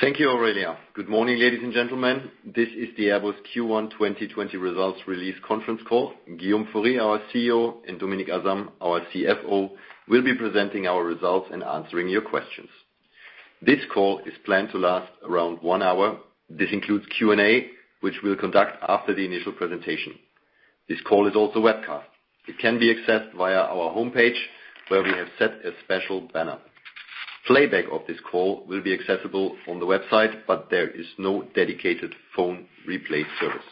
Thank you, Aurelia. Good morning, ladies and gentlemen. This is the Airbus Q1 2020 results release conference call. Guillaume Faury, our CEO, and Dominik Asam, our CFO, will be presenting our results and answering your questions. This call is planned to last around one hour. This includes Q&A, which we will conduct after the initial presentation. This call is also webcast. It can be accessed via our homepage, where we have set a special banner. Playback of this call will be accessible on the website, but there is no dedicated phone replay service.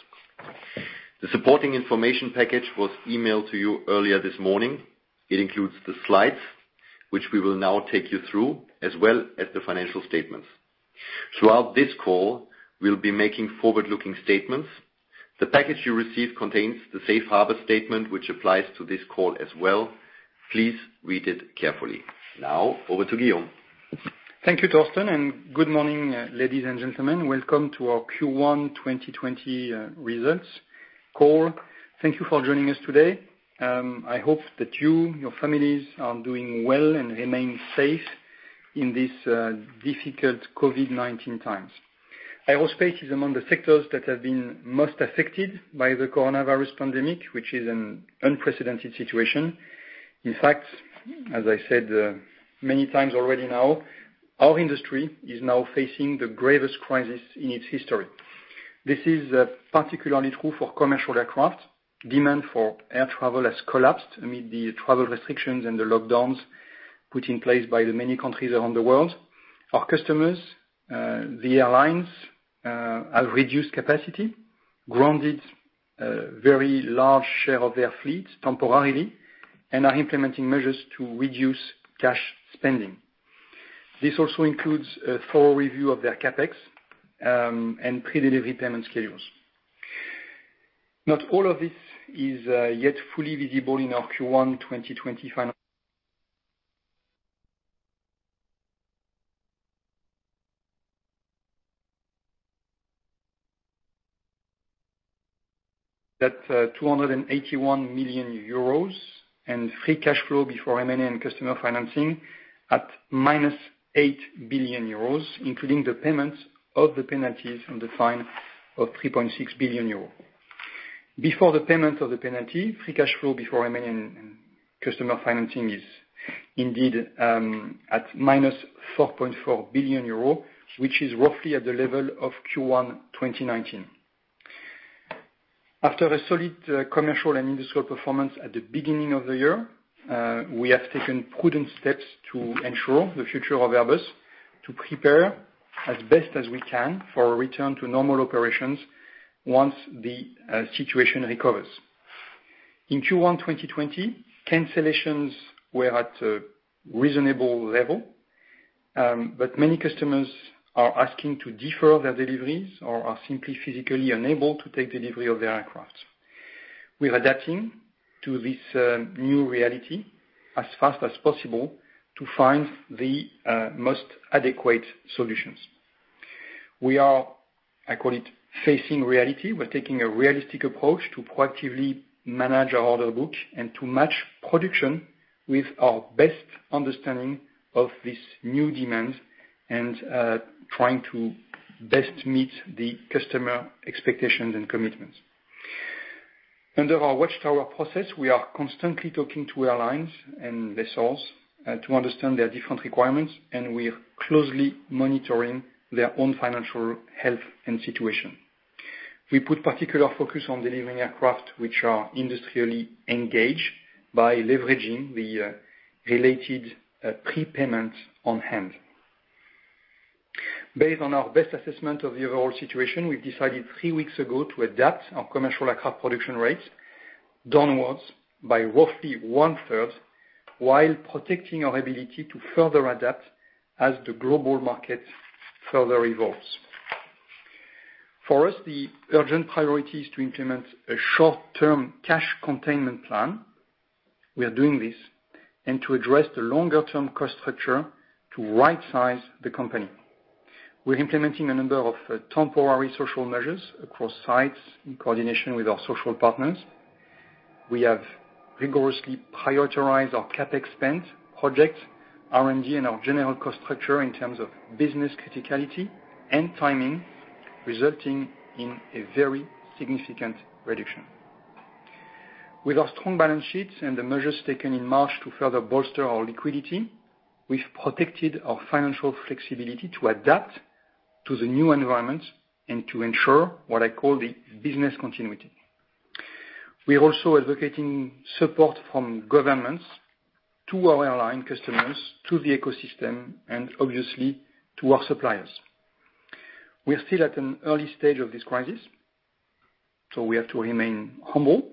The supporting information package was emailed to you earlier this morning. It includes the slides, which we will now take you through, as well as the financial statements. Throughout this call, we will be making forward-looking statements. The package you received contains the safe harbor statement, which applies to this call as well. Please read it carefully. Now, over to Guillaume. Thank you, Thorsten. Good morning, ladies and gentlemen. Welcome to our Q1 2020 results call. Thank you for joining us today. I hope that you, your families are doing well and remain safe in these difficult COVID-19 times. Aerospace is among the sectors that have been most affected by the coronavirus pandemic, which is an unprecedented situation. In fact, as I said many times already now, our industry is now facing the greatest crisis in its history. This is particularly true for commercial aircraft. Demand for air travel has collapsed amid the travel restrictions and the lockdowns put in place by the many countries around the world. Our customers, the airlines, have reduced capacity, grounded a very large share of their fleet temporarily, and are implementing measures to reduce cash spending. This also includes a full review of their CapEx and pre-delivery payment schedules. Not all of this is yet fully visible in our Q1 2020. At 281 million euros, and free cash flow before M&A and customer financing at -8 billion euros, including the payments of the penalties and the fine of 3.6 billion euros. Before the payment of the penalty, free cash flow before M&A and customer financing is indeed at -4.4 billion euro, which is roughly at the level of Q1 2019. After a solid commercial and industrial performance at the beginning of the year, we have taken prudent steps to ensure the future of Airbus to prepare as best as we can for a return to normal operations once the situation recovers. In Q1 2020, cancellations were at a reasonable level, but many customers are asking to defer their deliveries or are simply physically unable to take delivery of their aircraft. We're adapting to this new reality as fast as possible to find the most adequate solutions. We are, I call it, facing reality. We're taking a realistic approach to proactively manage our order book and to match production with our best understanding of these new demands and trying to best meet the customer expectations and commitments. Under our watchtower process, we are constantly talking to airlines and lessors to understand their different requirements, and we are closely monitoring their own financial health and situation. We put particular focus on delivering aircraft which are industrially engaged by leveraging the related prepayments on hand. Based on our best assessment of the overall situation, we decided three weeks ago to adapt our commercial aircraft production rates downwards by roughly one-third while protecting our ability to further adapt as the global market further evolves. For us, the urgent priority is to implement a short-term cash containment plan, we are doing this, and to address the longer-term cost structure to rightsize the company. We're implementing a number of temporary social measures across sites in coordination with our social partners. We have rigorously prioritized our CapEx spend project, R&D, and our general cost structure in terms of business criticality and timing, resulting in a very significant reduction. With our strong balance sheets and the measures taken in March to further bolster our liquidity, we've protected our financial flexibility to adapt to the new environment and to ensure what I call the business continuity. We are also advocating support from governments to our airline customers, to the ecosystem, and obviously, to our suppliers. We are still at an early stage of this crisis, so we have to remain humble.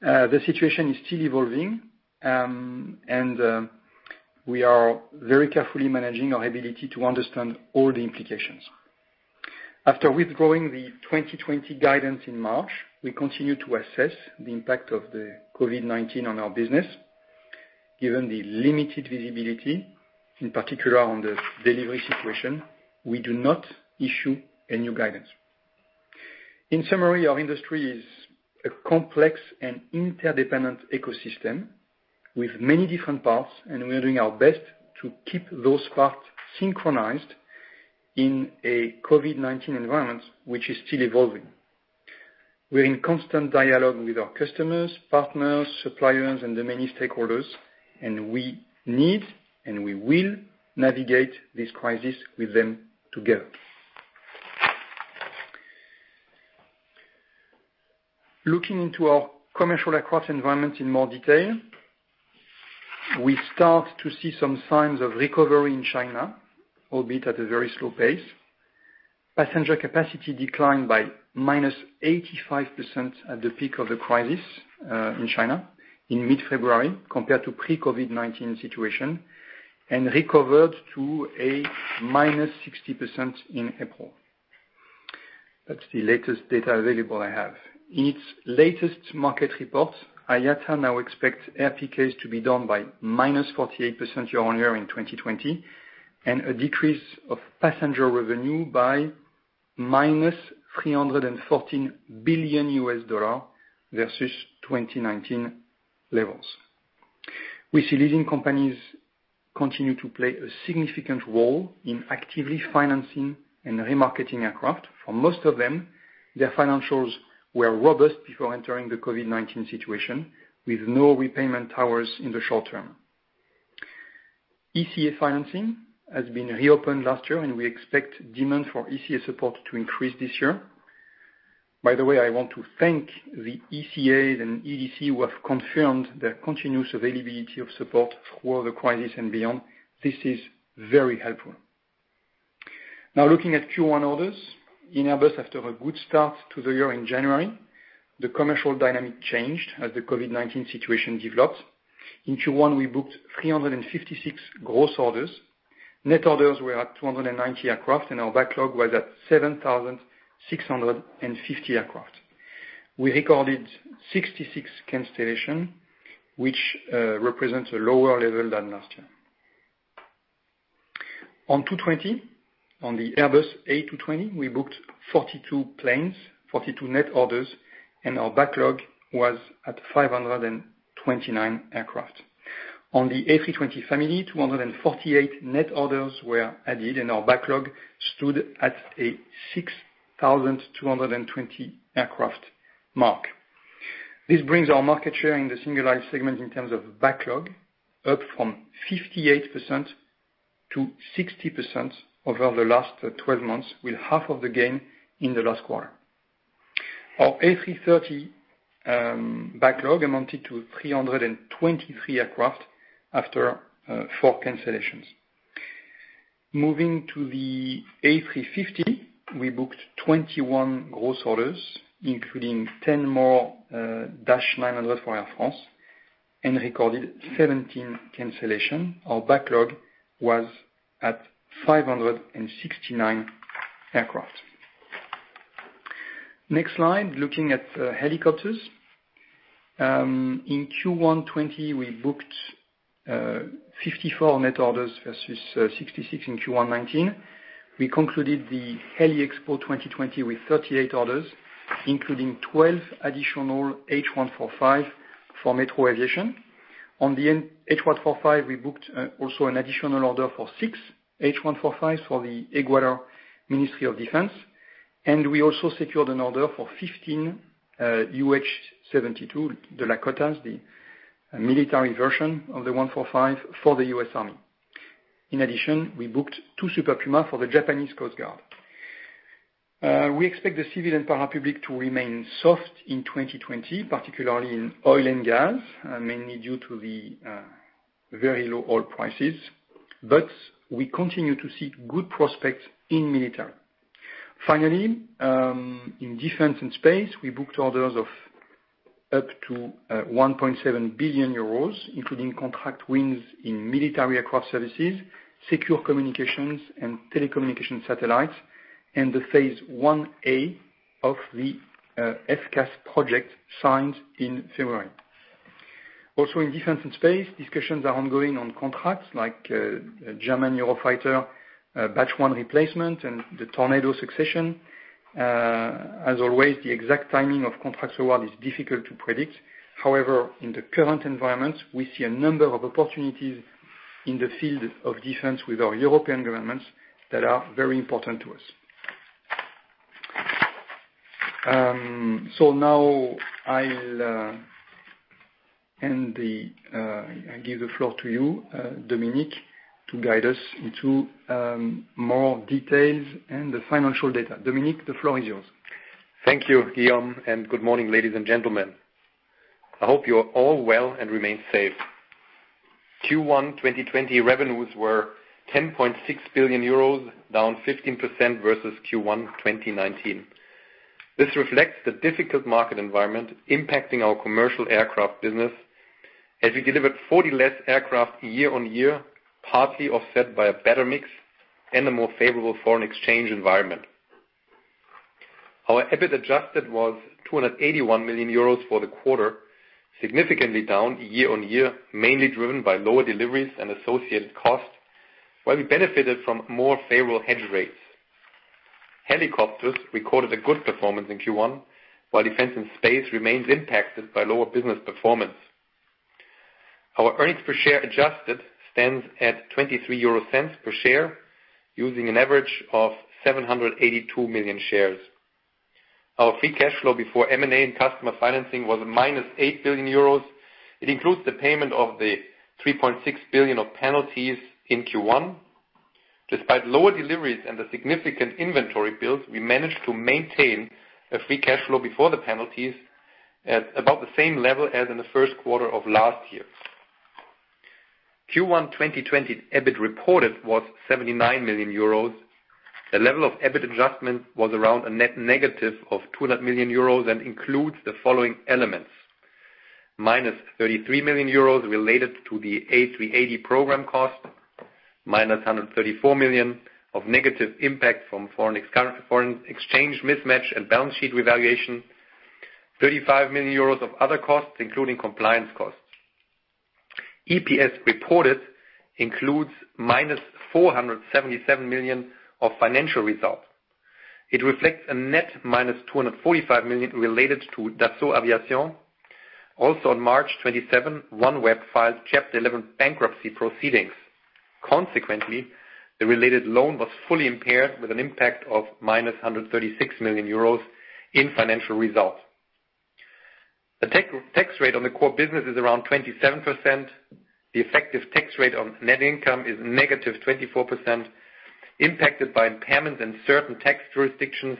The situation is still evolving, and we are very carefully managing our ability to understand all the implications. After withdrawing the 2020 guidance in March, we continue to assess the impact of the COVID-19 on our business. Given the limited visibility, in particular on the delivery situation, we do not issue a new guidance. In summary, our industry is a complex and interdependent ecosystem with many different parts, and we are doing our best to keep those parts synchronized in a COVID-19 environment, which is still evolving. We're in constant dialogue with our customers, partners, suppliers, and the many stakeholders, and we will navigate this crisis with them together. Looking into our commercial aircraft environment in more detail, we start to see some signs of recovery in China, albeit at a very slow pace. Passenger capacity declined by -85% at the peak of the crisis in China in mid-February, compared to pre-COVID-19 situation, and recovered to a -60% in April. That's the latest data available I have. In its latest market report, IATA now expects RPKs to be down by -48% year-on-year in 2020, and a decrease of passenger revenue by -$314 billion versus 2019 levels. We see leasing companies continue to play a significant role in actively financing and remarketing aircraft. For most of them, their financials were robust before entering the COVID-19 situation, with no repayment towers in the short term. ECA financing has been reopened last year, we expect demand for ECA support to increase this year. By the way, I want to thank the ECAs and EDC who have confirmed their continuous availability of support through the crisis and beyond. This is very helpful. Looking at Q1 orders. In Airbus, after a good start to the year in January, the COVID-19 situation developed. In Q1, we booked 356 gross orders. Net orders were at 290 aircraft, and our backlog was at 7,650 aircraft. We recorded 66 cancellations, which represents a lower level than last year. On the Airbus A220, we booked 42 planes, 42 net orders, and our backlog was at 529 aircraft. On the A320 family, 248 net orders were added, and our backlog stood at a 6,220 aircraft mark. This brings our market share in the single-aisle segment in terms of backlog up from 58% to 60% over the last 12 months, with half of the gain in the last quarter. Our A330 backlog amounted to 323 aircraft after four cancellations. Moving to the A350, we booked 21 gross orders, including 10 more dash 900 for Air France, and recorded 17 cancellation. Our backlog was at 569 aircraft. Next slide, looking at helicopters. In Q1 2020, we booked 54 net orders versus 66 in Q1 2019. We concluded the Heli-Expo 2020 with 38 orders, including 12 additional H145 for Metro Aviation. On the H145, we booked also an additional order for six H145s for the Ecuador Ministry of Defense. We also secured an order for 15 UH-72 Lakotas, the military version of the 145 for the U.S. Army. In addition, we booked two Super Puma for the Japan Coast Guard. We expect the civil and public to remain soft in 2020, particularly in oil and gas, mainly due to the very low oil prices. We continue to see good prospects in military. In defense and space, we booked orders of up to 1.7 billion euros, including contract wins in military aircraft services, secure communications, and telecommunication satellites, and the phase 1A of the FCAS project signed in February. In defense and space, discussions are ongoing on contracts like German Eurofighter batch one replacement and the Tornado succession. The exact timing of contracts award is difficult to predict. In the current environment, we see a number of opportunities in the field of defense with our European governments that are very important to us. Now I give the floor to you, Dominik, to guide us into more details and the financial data. Dominik, the floor is yours. Thank you, Guillaume. Good morning, ladies and gentlemen. I hope you are all well and remain safe. Q1 2020 revenues were 10.6 billion euros, down 15% versus Q1 2019. This reflects the difficult market environment impacting our commercial aircraft business, as we delivered 40 less aircraft year-on-year, partly offset by a better mix and a more favorable foreign exchange environment. Our EBIT adjusted was 281 million euros for the quarter, significantly down year-on-year, mainly driven by lower deliveries and associated costs, while we benefited from more favorable hedge rates. Helicopters recorded a good performance in Q1, while Defense and Space remains impacted by lower business performance. Our earnings per share adjusted stands at 0.23 per share using an average of 782 million shares. Our free cash flow before M&A and customer financing was -8 billion euros. It includes the payment of the 3.6 billion of penalties in Q1. Despite lower deliveries and the significant inventory build, we managed to maintain a free cash flow before the penalties at about the same level as in the first quarter of last year. Q1 2020 EBIT reported was 79 million euros. The level of EBIT adjustment was around a net negative of 200 million euros and includes the following elements: -33 million euros related to the A380 program cost, -134 million of negative impact from foreign exchange mismatch and balance sheet revaluation, 35 million euros of other costs, including compliance costs. EPS reported includes -477 million of financial results. It reflects a net -245 million related to Dassault Aviation. On March 27, OneWeb filed Chapter 11 bankruptcy proceedings. Consequently, the related loan was fully impaired with an impact of -136 million euros in financial results. The tax rate on the core business is around 27%. The effective tax rate on net income is negative 24%, impacted by impairment in certain tax jurisdictions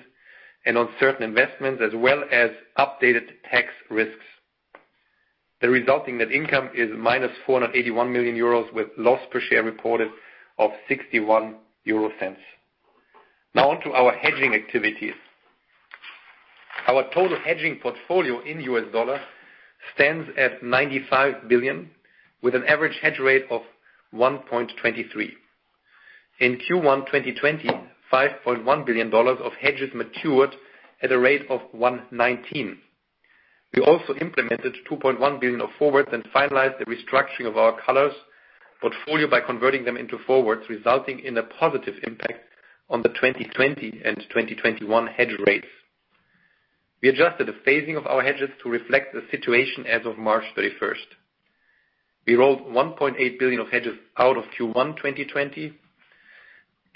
and on certain investments, as well as updated tax risks. The resulting net income is -481 million euros, with loss per share reported of 0.61. Now on to our hedging activities. Our total hedging portfolio in U.S. dollars stands at $95 billion, with an average hedge rate of 1.23. In Q1 2020, $5.1 billion of hedges matured at a rate of 1.19. We also implemented $2.1 billion of forwards and finalized the restructuring of our collars portfolio by converting them into forwards, resulting in a positive impact on the 2020 and 2021 hedge rates. We adjusted the phasing of our hedges to reflect the situation as of March 31st. We rolled 1.8 billion of hedges out of Q1 2020,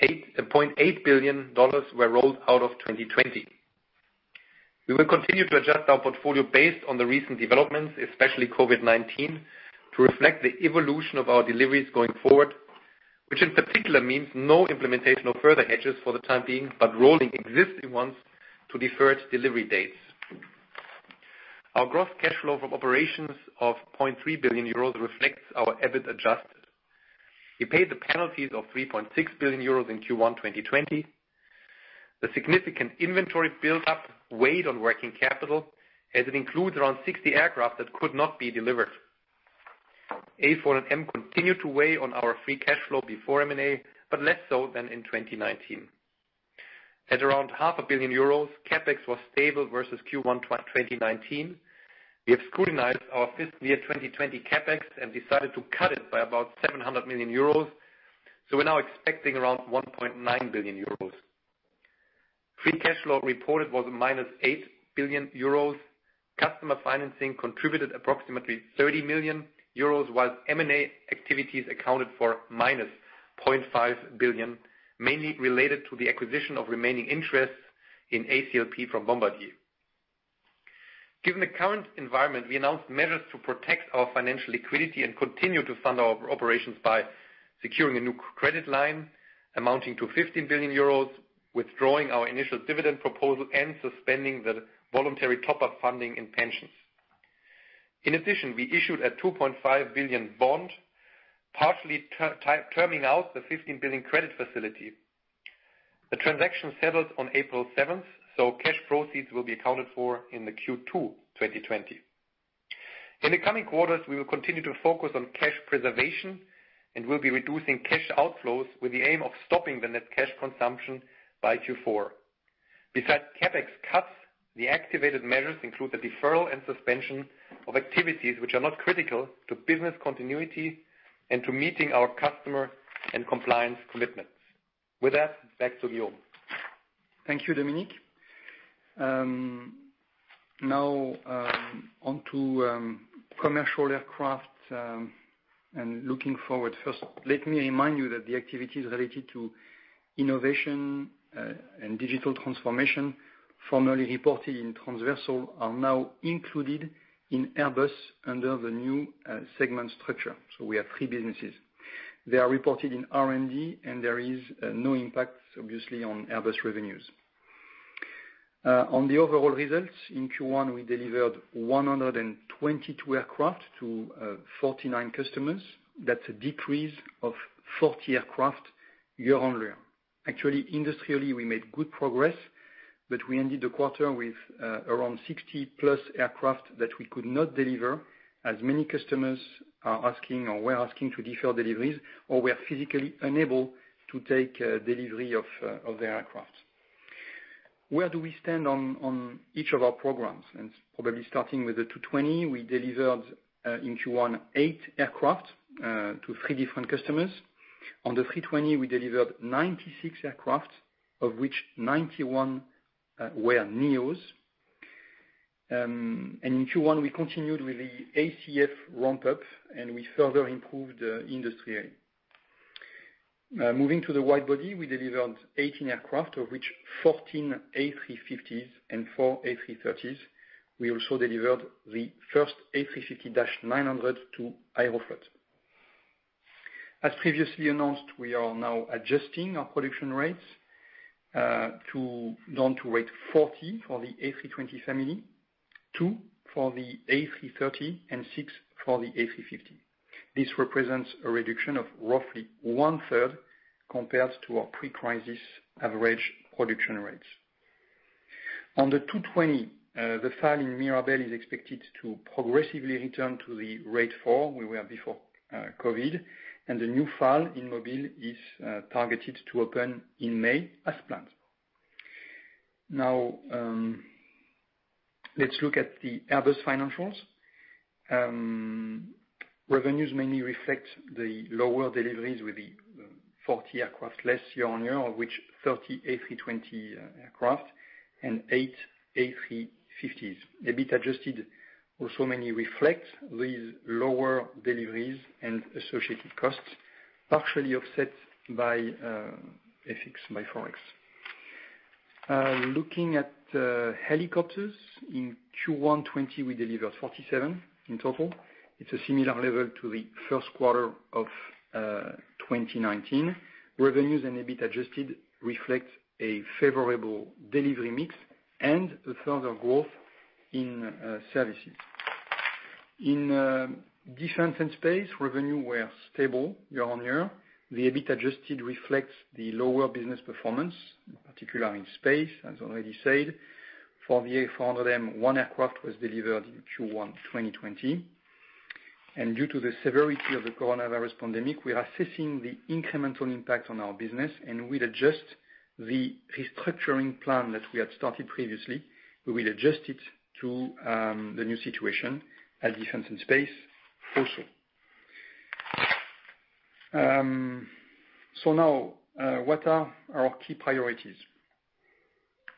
EUR 8.8 billion were rolled out of 2020. We will continue to adjust our portfolio based on the recent developments, especially COVID-19, to reflect the evolution of our deliveries going forward, which in particular means no implementation of further hedges for the time being, but rolling existing ones to deferred delivery dates. Our gross cash flow from operations of 0.3 billion euros reflects our EBIT adjusted. We paid the penalties of 3.6 billion euros in Q1 2020. The significant inventory buildup weighed on working capital as it includes around 60 aircraft that could not be delivered. A400M continued to weigh on our free cash flow before M&A, but less so than in 2019. At around 0.5 billion euros, CapEx was stable versus Q1 2019. We have scrutinized our full-year 2020 CapEx and decided to cut it by about 700 million euros, so we're now expecting around 1.9 billion euros. Free cash flow reported was -8 billion euros. Customer financing contributed approximately 30 million euros, whilst M&A activities accounted for -0.5 billion, mainly related to the acquisition of remaining interests in ACLP from Bombardier. Given the current environment, we announced measures to protect our financial liquidity and continue to fund our operations by securing a new credit line amounting to 15 billion euros, withdrawing our initial dividend proposal, and suspending the voluntary top-up funding in pensions. In addition, we issued a 2.5 billion bond, partially terming out the 15 billion credit facility. The transaction settled on April 7th, so cash proceeds will be accounted for in the Q2 2020. In the coming quarters, we will continue to focus on cash preservation and we'll be reducing cash outflows with the aim of stopping the net cash consumption by Q4. Besides CapEx cuts, the activated measures include the deferral and suspension of activities which are not critical to business continuity and to meeting our customer and compliance commitments. With that, back to Guillaume. Thank you, Dominik. On to commercial aircraft and looking forward. First, let me remind you that the activities related to innovation and digital transformation formerly reported in transversal are now included in Airbus under the new segment structure. We have three businesses. They are reported in R&D, and there is no impact, obviously, on Airbus revenues. On the overall results, in Q1, we delivered 122 aircraft to 49 customers. That's a decrease of 40 aircraft year-on-year. Actually, industrially, we made good progress, but we ended the quarter with around 60-plus aircraft that we could not deliver, as many customers are asking or were asking to defer deliveries, or were physically unable to take delivery of the aircraft. Where do we stand on each of our programs? Probably starting with the A220, we delivered, in Q1, eight aircraft to three different customers. On the A320, we delivered 96 aircraft, of which 91 were Neos. In Q1, we continued with the ACF ramp-up, and we further improved industrially. Moving to the wide-body, we delivered 18 aircraft, of which 14 A350s and four A330s. We also delivered the first A350-900 to Aeroflot. As previously announced, we are now adjusting our production rates down to rate 40 for the A320 family, two for the A330, and six for the A350. This represents a reduction of roughly one-third compared to our pre-crisis average production rates. On the A220, the FAL in Mirabel is expected to progressively return to the rate four we were before COVID-19, and the new FAL in Mobile is targeted to open in May as planned. Let's look at the Airbus financials. Revenues mainly reflect the lower deliveries with 40 aircraft less year-on-year, of which 30 A320 aircraft and eight A350s. EBIT adjusted also mainly reflects these lower deliveries and associated costs, partially offset by Forex. Looking at helicopters, in Q1 2020, we delivered 47 in total. It's a similar level to the first quarter of 2019. Revenues and EBIT adjusted reflect a favorable delivery mix and a further growth in services. In Defense and Space, revenue were stable year-on-year. The EBIT adjusted reflects the lower business performance, particularly in Space, as already said. For the A400M, one aircraft was delivered in Q1 2020. Due to the severity of the COVID-19 pandemic, we are assessing the incremental impact on our business, and we'll adjust the restructuring plan that we had started previously. We will adjust it to the new situation at Defense and Space also. What are our key priorities?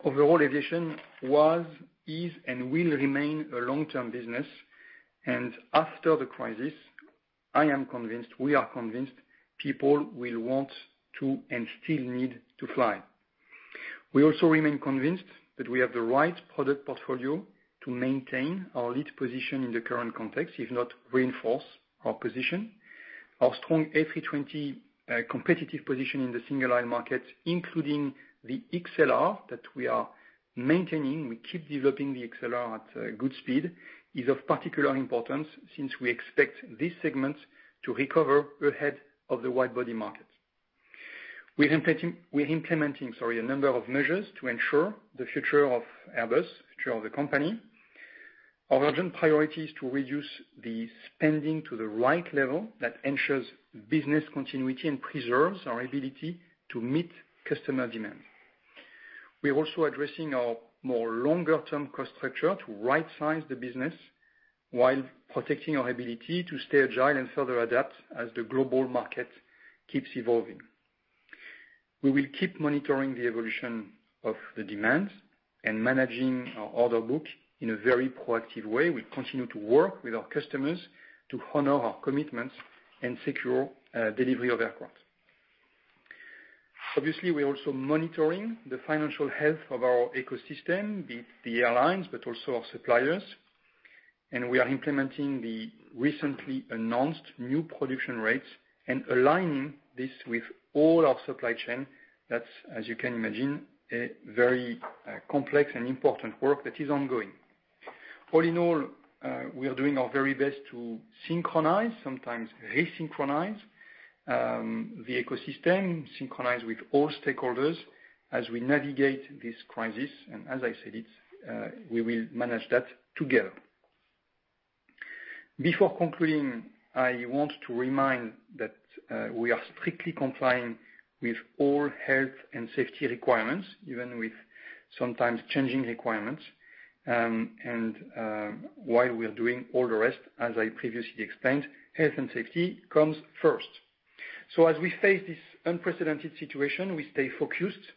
Overall, aviation was, is, and will remain a long-term business. After the crisis, I am convinced, we are convinced, people will want to and still need to fly. We also remain convinced that we have the right product portfolio to maintain our lead position in the current context, if not reinforce our position. Our strong A320 competitive position in the single-aisle market, including the A321XLR that we are maintaining, we keep developing the A321XLR at good speed, is of particular importance since we expect this segment to recover ahead of the wide-body market. We're implementing, sorry, a number of measures to ensure the future of Airbus, future of the company. Our urgent priority is to reduce the spending to the right level that ensures business continuity and preserves our ability to meet customer demand. We're also addressing our more longer-term cost structure to rightsize the business while protecting our ability to stay agile and further adapt as the global market keeps evolving. We will keep monitoring the evolution of the demand and managing our order book in a very proactive way. We continue to work with our customers to honor our commitments and secure delivery of aircraft. Obviously, we are also monitoring the financial health of our ecosystem, the airlines, but also our suppliers, and we are implementing the recently announced new production rates and aligning this with all our supply chain. That's, as you can imagine, a very complex and important work that is ongoing. All in all, we are doing our very best to synchronize, sometimes resynchronize, the ecosystem, synchronize with all stakeholders as we navigate this crisis. As I said, we will manage that together. Before concluding, I want to remind that we are strictly complying with all health and safety requirements, even with sometimes changing requirements. While we are doing all the rest, as I previously explained, health and safety comes first. As we face this unprecedented situation, we stay focused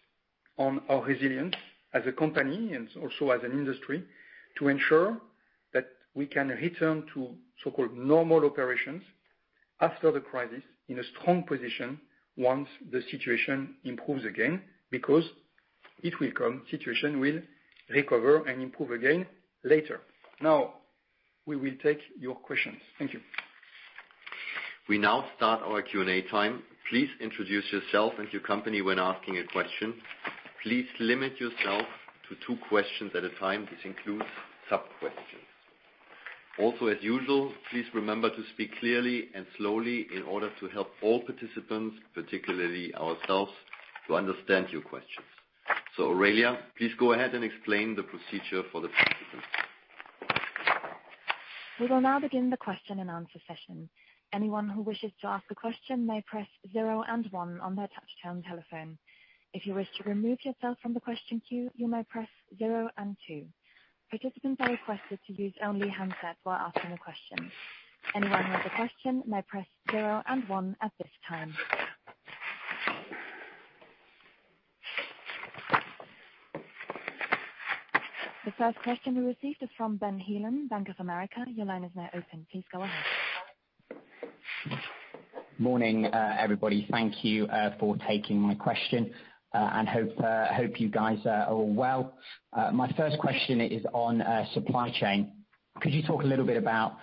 on our resilience as a company and also as an industry to ensure that we can return to so-called normal operations after the crisis in a strong position once the situation improves again, because it will come, situation will recover and improve again later. We will take your questions. Thank you. We now start our Q&A time. Please introduce yourself and your company when asking a question. Please limit yourself to two questions at a time. This includes sub-questions. As usual, please remember to speak clearly and slowly in order to help all participants, particularly ourselves, to understand your questions. Aurelia, please go ahead and explain the procedure for the participants. We will now begin the question and answer session. Anyone who wishes to ask a question may press zero and one on their touchtone telephone. If you wish to remove yourself from the question queue, you may press zero and two. Participants are requested to use only handsets while asking a question. Anyone with a question may press zero and one at this time. The first question we received is from Benjamin Heelan, Bank of America. Your line is now open. Please go ahead. Morning, everybody. Thank you for taking my question. Hope you guys are all well. My first question is on supply chain. Could you talk a little bit about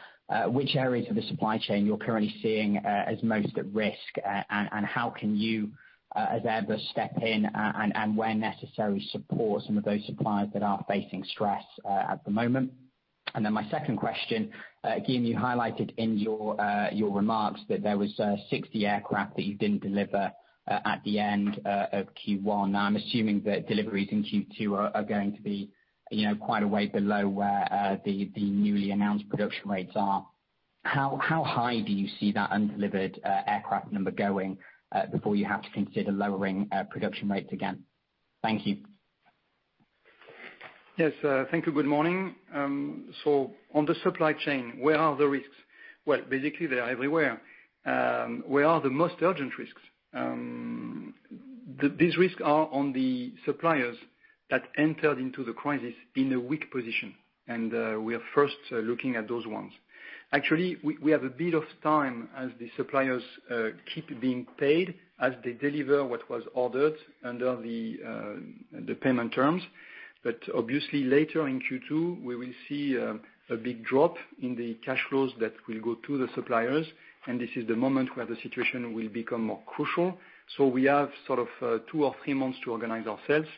which areas of the supply chain you're currently seeing as most at risk? How can you, as Airbus, step in and, where necessary, support some of those suppliers that are facing stress at the moment? My second question, again, you highlighted in your remarks that there was 60 aircraft that you didn't deliver at the end of Q1. Now, I'm assuming that deliveries in Q2 are going to be quite a way below where the newly announced production rates are. How high do you see that undelivered aircraft number going, before you have to consider lowering production rates again? Thank you. Yes. Thank you. Good morning. On the supply chain, where are the risks? Well, basically, they are everywhere. Where are the most urgent risks? These risks are on the suppliers that entered into the crisis in a weak position, and we are first looking at those ones. Actually, we have a bit of time as the suppliers keep being paid, as they deliver what was ordered under the payment terms. Obviously later in Q2, we will see a big drop in the cash flows that will go to the suppliers, and this is the moment where the situation will become more crucial. We have sort of two or three months to organize ourselves,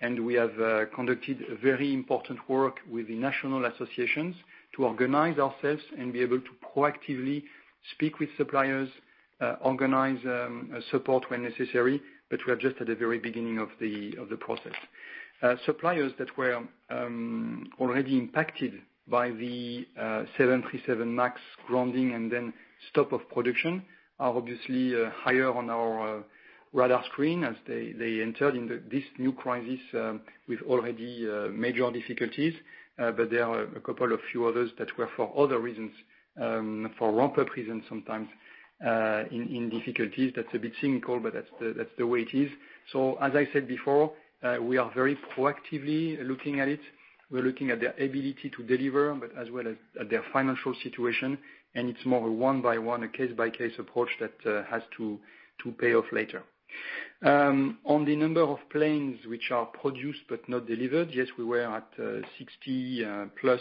and we have conducted very important work with the national associations to organize ourselves and be able to proactively speak with suppliers, organize support when necessary, but we are just at the very beginning of the process. Suppliers that were already impacted by the 737 MAX grounding and then stop of production are obviously higher on our radar screen as they entered into this new crisis with already major difficulties. There are a couple of few others that were for other reasons, for ramp-up reasons sometimes, in difficulties. That's a bit cynical, but that's the way it is. As I said before, we are very proactively looking at it. We are looking at their ability to deliver, but as well as at their financial situation, and it's more a one-by-one, a case-by-case approach that has to pay off later. On the number of planes which are produced but not delivered, yes, we were at 60-plus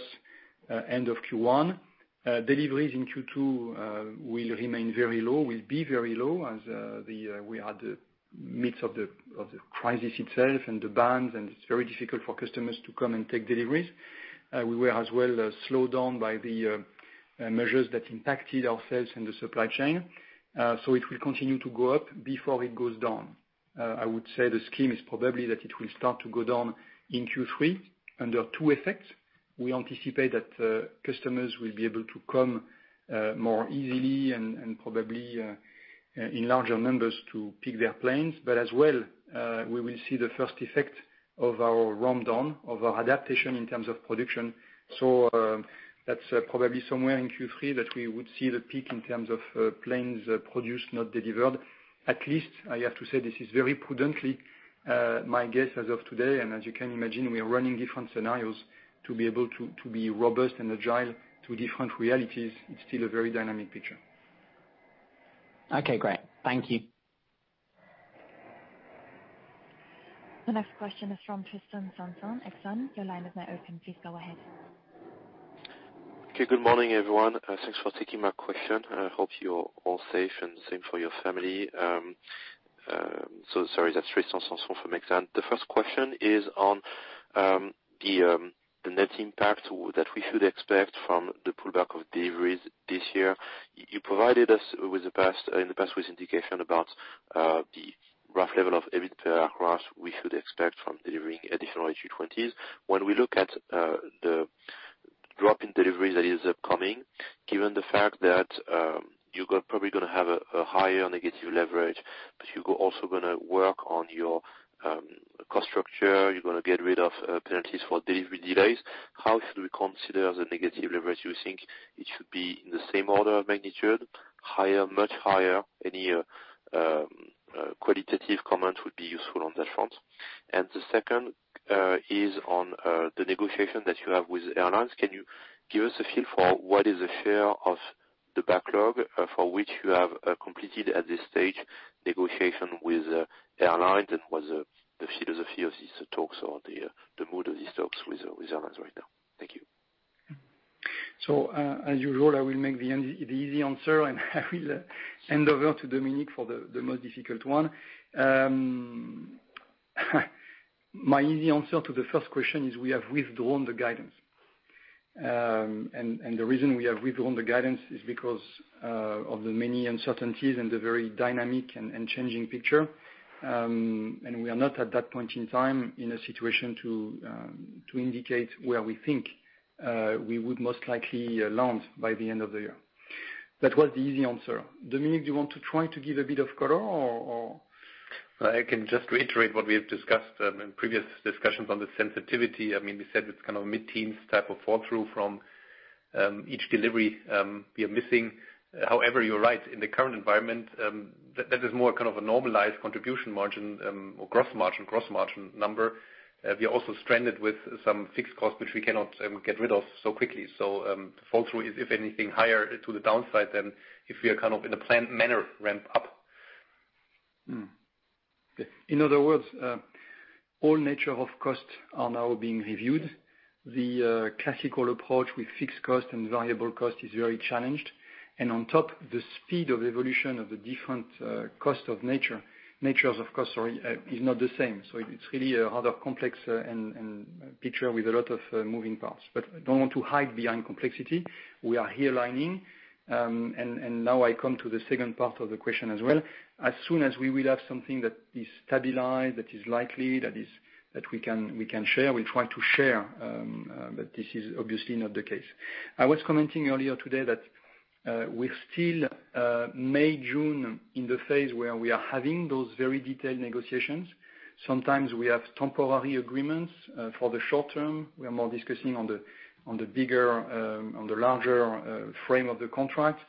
end of Q1. Deliveries in Q2 will remain very low, will be very low as we are at the midst of the crisis itself and the bans, and it's very difficult for customers to come and take deliveries. We were as well slowed down by the measures that impacted our sales in the supply chain. It will continue to go up before it goes down. I would say the scheme is probably that it will start to go down in Q3 under two effects. We anticipate that customers will be able to come more easily and probably in larger numbers to pick their planes. As well, we will see the first effect of our ramp down of our adaptation in terms of production. That's probably somewhere in Q3 that we would see the peak in terms of planes produced, not delivered. At least, I have to say, this is very prudently my guess as of today, and as you can imagine, we are running different scenarios to be able to be robust and agile to different realities. It's still a very dynamic picture. Okay, great. Thank you. The next question is from Tristan Sanson, Exane. Your line is now open. Please go ahead. Okay. Good morning, everyone. Thanks for taking my question. I hope you're all safe, and same for your family. Sorry, that's Tristan Sanson from Exane. The first question is on the net impact that we should expect from the pullback of deliveries this year. You provided us in the past with indication about the rough level of EBIT per aircraft we should expect from delivering additional A320s. When we look at the drop in delivery that is upcoming, given the fact that you're probably going to have a higher negative leverage, but you're also going to work on your cost structure, you're going to get rid of penalties for delivery delays. How should we consider the negative leverage? You think it should be in the same order of magnitude, higher, much higher? Any qualitative comment would be useful on that front. The second is on the negotiation that you have with airlines. Can you give us a feel for what is the share of the backlog for which you have completed at this stage negotiation with airlines? What the feel of these talks or the mood of these talks with airlines right now? Thank you. As usual, I will make the easy answer, and I will hand over to Dominik for the most difficult one. My easy answer to the first question is we have withdrawn the guidance. The reason we have withdrawn the guidance is because of the many uncertainties and the very dynamic and changing picture. We are not at that point in time in a situation to indicate where we think we would most likely land by the end of the year. That was the easy answer. Dominik, do you want to try to give a bit of color or? I can just reiterate what we have discussed in previous discussions on the sensitivity. We said it's kind of a mid-teens type of fall-through from each delivery we are missing. However, you're right, in the current environment, that is more of a normalized contribution margin or gross margin number. We are also stranded with some fixed costs, which we cannot get rid of so quickly. The fall-through is, if anything, higher to the downside than if we are in a planned manner ramp-up. Okay. In other words, all nature of costs are now being reviewed. The classical approach with fixed costs and variable costs is very challenged. On top, the speed of evolution of the different natures of costs is not the same. It's really a rather complex picture with a lot of moving parts. I don't want to hide behind complexity. We are here aligning. Now I come to the second part of the question as well. As soon as we will have something that is stabilized, that is likely, that we can share, we'll try to share. This is obviously not the case. I was commenting earlier today that we're still, May, June, in the phase where we are having those very detailed negotiations. Sometimes we have temporary agreements for the short term. We are more discussing on the larger frame of the contract.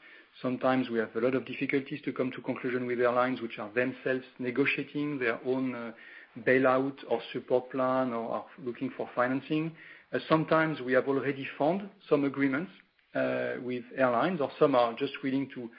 Sometimes we have a lot of difficulties to come to conclusion with airlines, which are themselves negotiating their own bailout or support plan or are looking for financing. Sometimes we have already found some agreements with airlines, or some are just willing to,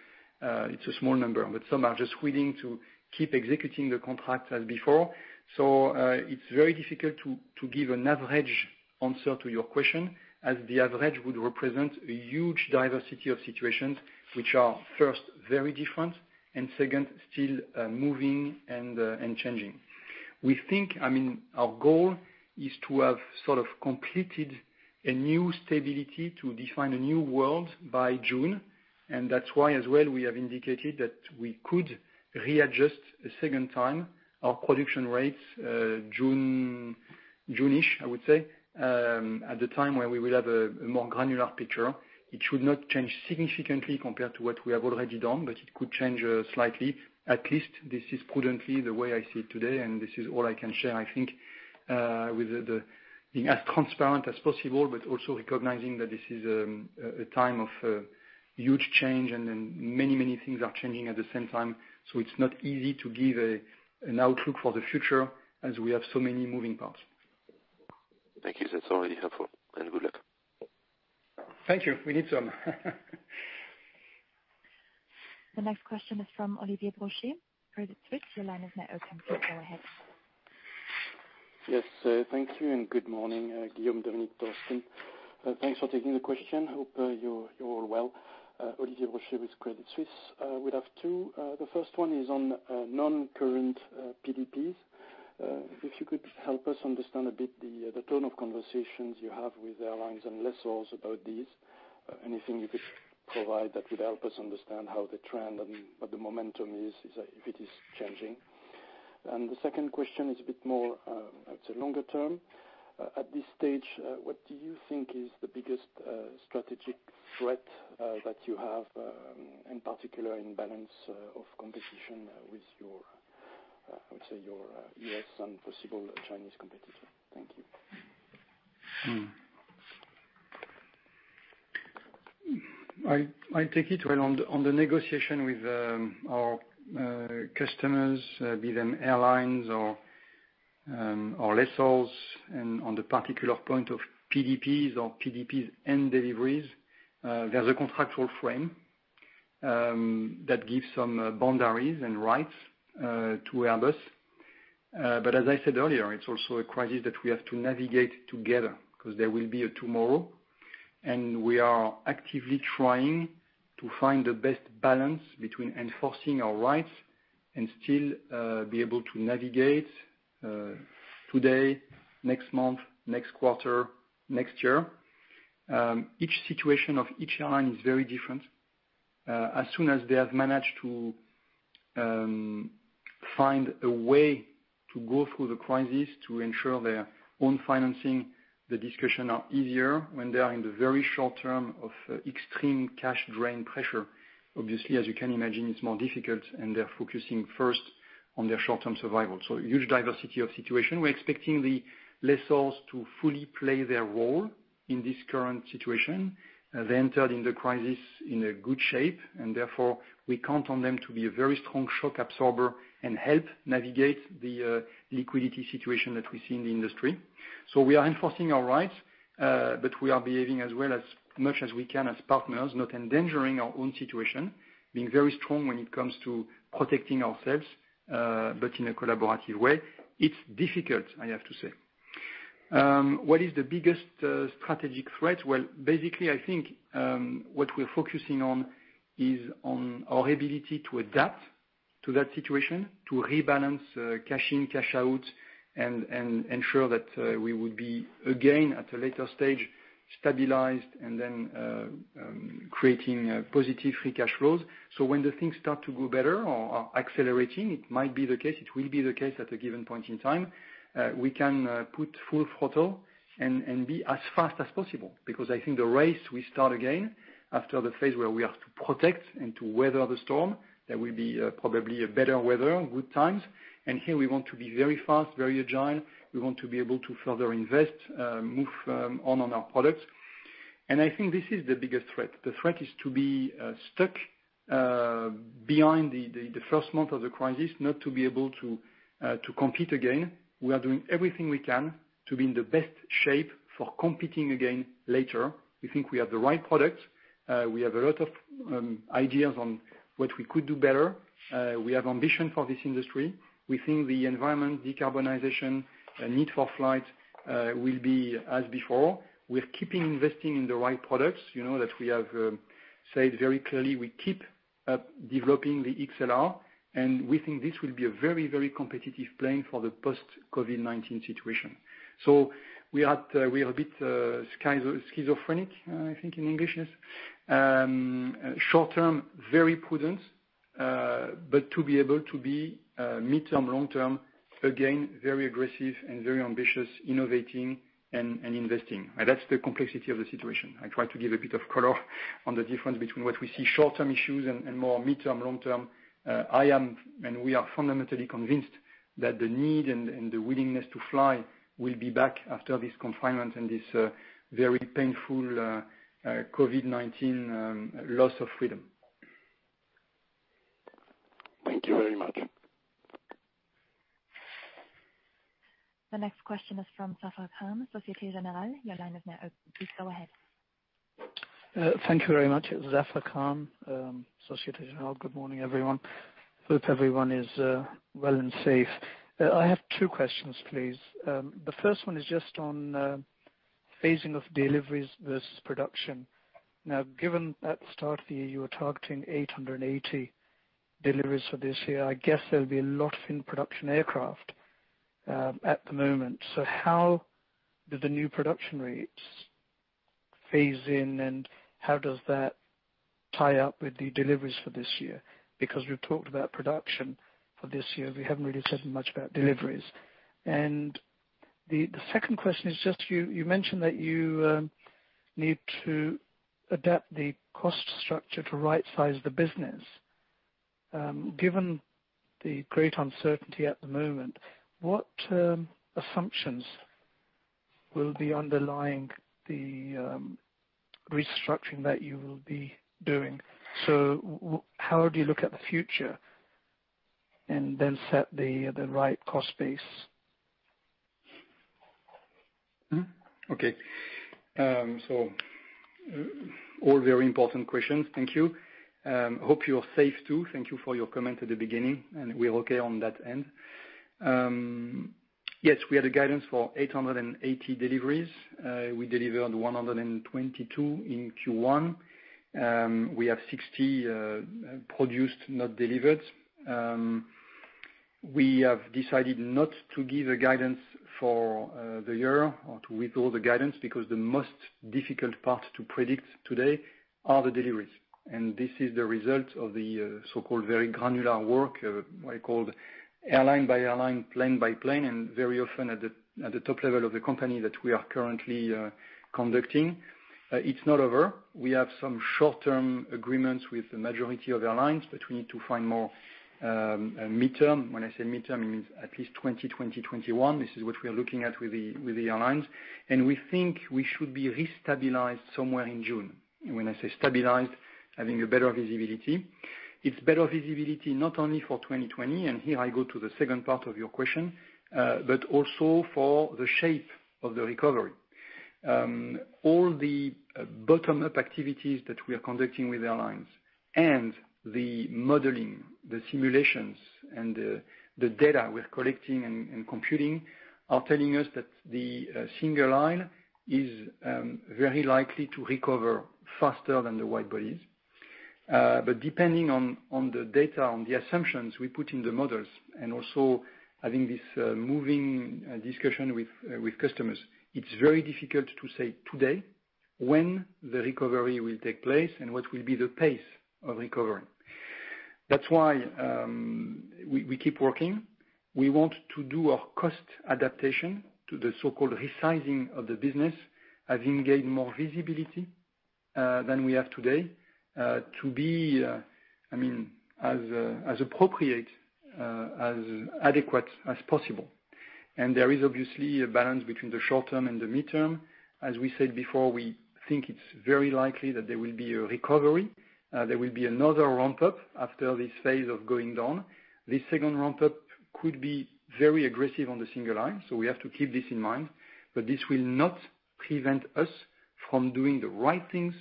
it's a small number, but some are just willing to keep executing the contract as before. It's very difficult to give an average answer to your question, as the average would represent a huge diversity of situations, which are, first, very different, and second, still moving and changing. Our goal is to have sort of completed a new stability to define a new world by June, that's why, as well, we have indicated that we could readjust a second time our production rates, June-ish, I would say, at the time where we will have a more granular picture. It should not change significantly compared to what we have already done, but it could change slightly. At least this is prudently the way I see it today, and this is all I can share, I think, with being as transparent as possible, but also recognizing that this is a time of huge change and many things are changing at the same time. It's not easy to give an outlook for the future as we have so many moving parts. Thank you. That's already helpful, and good luck. Thank you. We need some. The next question is from Olivier Brochet, Credit Suisse. Your line is now open. Please go ahead. Yes, thank you, good morning, Guillaume, Dominik, Thorsten. Thanks for taking the question. Hope you're all well. Olivier Brochet with Credit Suisse. We have two. The first one is on non-current PDPs. If you could help us understand a bit the tone of conversations you have with airlines and lessors about these. Anything you could provide that would help us understand how the trend and what the momentum is, if it is changing. The second question is a bit more longer term. At this stage, what do you think is the biggest strategic threat that you have, in particular in balance of competition with your, I would say your U.S. and possible Chinese competitor? Thank you. I take it on the negotiation with our customers, be them airlines or lessors, and on the particular point of PDPs or PDPs and deliveries, there's a contractual frame that gives some boundaries and rights to Airbus. As I said earlier, it's also a crisis that we have to navigate together because there will be a tomorrow, and we are actively trying to find the best balance between enforcing our rights and still be able to navigate today, next month, next quarter, next year. Each situation of each airline is very different. As soon as they have managed to find a way to go through the crisis to ensure their own financing, the discussion are easier. When they are in the very short term of extreme cash drain pressure, obviously, as you can imagine, it's more difficult, and they're focusing first on their short-term survival. Huge diversity of situation. We're expecting the lessors to fully play their role in this current situation. They entered in the crisis in a good shape, and therefore, we count on them to be a very strong shock absorber and help navigate the liquidity situation that we see in the industry. We are enforcing our rights, but we are behaving as well as much as we can as partners, not endangering our own situation, being very strong when it comes to protecting ourselves, but in a collaborative way. It's difficult, I have to say. What is the biggest strategic threat? Well, basically, I think what we're focusing on is on our ability to adapt to that situation, to rebalance cash in, cash out, and ensure that we would be, again, at a later stage, stabilized, and then creating positive free cash flows. When the things start to go better or are accelerating, it might be the case, it will be the case at a given point in time, we can put full throttle and be as fast as possible. I think the race will start again after the phase where we have to protect and to weather the storm. There will be probably a better weather, good times, and here we want to be very fast, very agile. We want to be able to further invest, move on on our products. I think this is the biggest threat. The threat is to be stuck behind the first month of the crisis, not to be able to compete again. We are doing everything we can to be in the best shape for competing again later. We think we have the right product. We have a lot of ideas on what we could do better. We have ambition for this industry. We think the environment, decarbonization, need for flight will be as before. We're keeping investing in the right products, that we have said very clearly we keep developing the A321XLR, and we think this will be a very competitive plane for the post-COVID-19 situation. We are a bit schizophrenic, I think, in English, short term, very prudent, but to be able to be midterm, long term, again, very aggressive and very ambitious, innovating and investing. That's the complexity of the situation. I try to give a bit of color on the difference between what we see short-term issues and more midterm, long-term. I am, and we are fundamentally convinced that the need and the willingness to fly will be back after this confinement and this very painful COVID-19 loss of freedom. Thank you very much. The next question is from Zafar Khan, Société Générale. Your line is now open. Please go ahead. Thank you very much. Zafar Khan, Société Générale. Good morning, everyone. Hope everyone is well and safe. I have two questions, please. The first one is just on phasing of deliveries versus production. Given at the start of the year, you were targeting 880 deliveries for this year. I guess there'll be a lot in production aircraft at the moment. How do the new production rates phase in, and how does that tie up with the deliveries for this year? Because we've talked about production for this year, we haven't really said much about deliveries. The second question is just you mentioned that you need to adapt the cost structure to right size the business. Given the great uncertainty at the moment, what assumptions will be underlying the restructuring that you will be doing? How do you look at the future and then set the right cost base? Okay. All very important questions. Thank you. Hope you're safe, too. Thank you for your comment at the beginning, and we're okay on that end. Yes, we had a guidance for 880 deliveries. We delivered 122 in Q1. We have 60 produced, not delivered. We have decided not to give a guidance for the year or to withdraw the guidance because the most difficult part to predict today are the deliveries. This is the result of the so-called very granular work, what I call airline by airline, plane by plane, and very often at the top level of the company that we are currently conducting. It's not over. We have some short-term agreements with the majority of airlines, but we need to find more midterm. When I say midterm, it means at least 2020, 2021. This is what we are looking at with the airlines. We think we should be restabilized somewhere in June, when I say stabilized, having a better visibility. It's better visibility not only for 2020, and here I go to the second part of your question, but also for the shape of the recovery. All the bottom-up activities that we are conducting with airlines and the modeling, the simulations, and the data we're collecting and computing are telling us that the single-aisle is very likely to recover faster than the wide-bodies. Depending on the data, on the assumptions we put in the models, and also having this moving discussion with customers, it's very difficult to say today when the recovery will take place and what will be the pace of recovery. That's why we keep working. We want to do a cost adaptation to the so-called resizing of the business, having gained more visibility than we have today to be as appropriate, as adequate as possible. There is obviously a balance between the short term and the midterm. As we said before, we think it's very likely that there will be a recovery. There will be another ramp-up after this phase of going down. This second ramp-up could be very aggressive on the single-aisle, we have to keep this in mind. This will not prevent us from doing the right things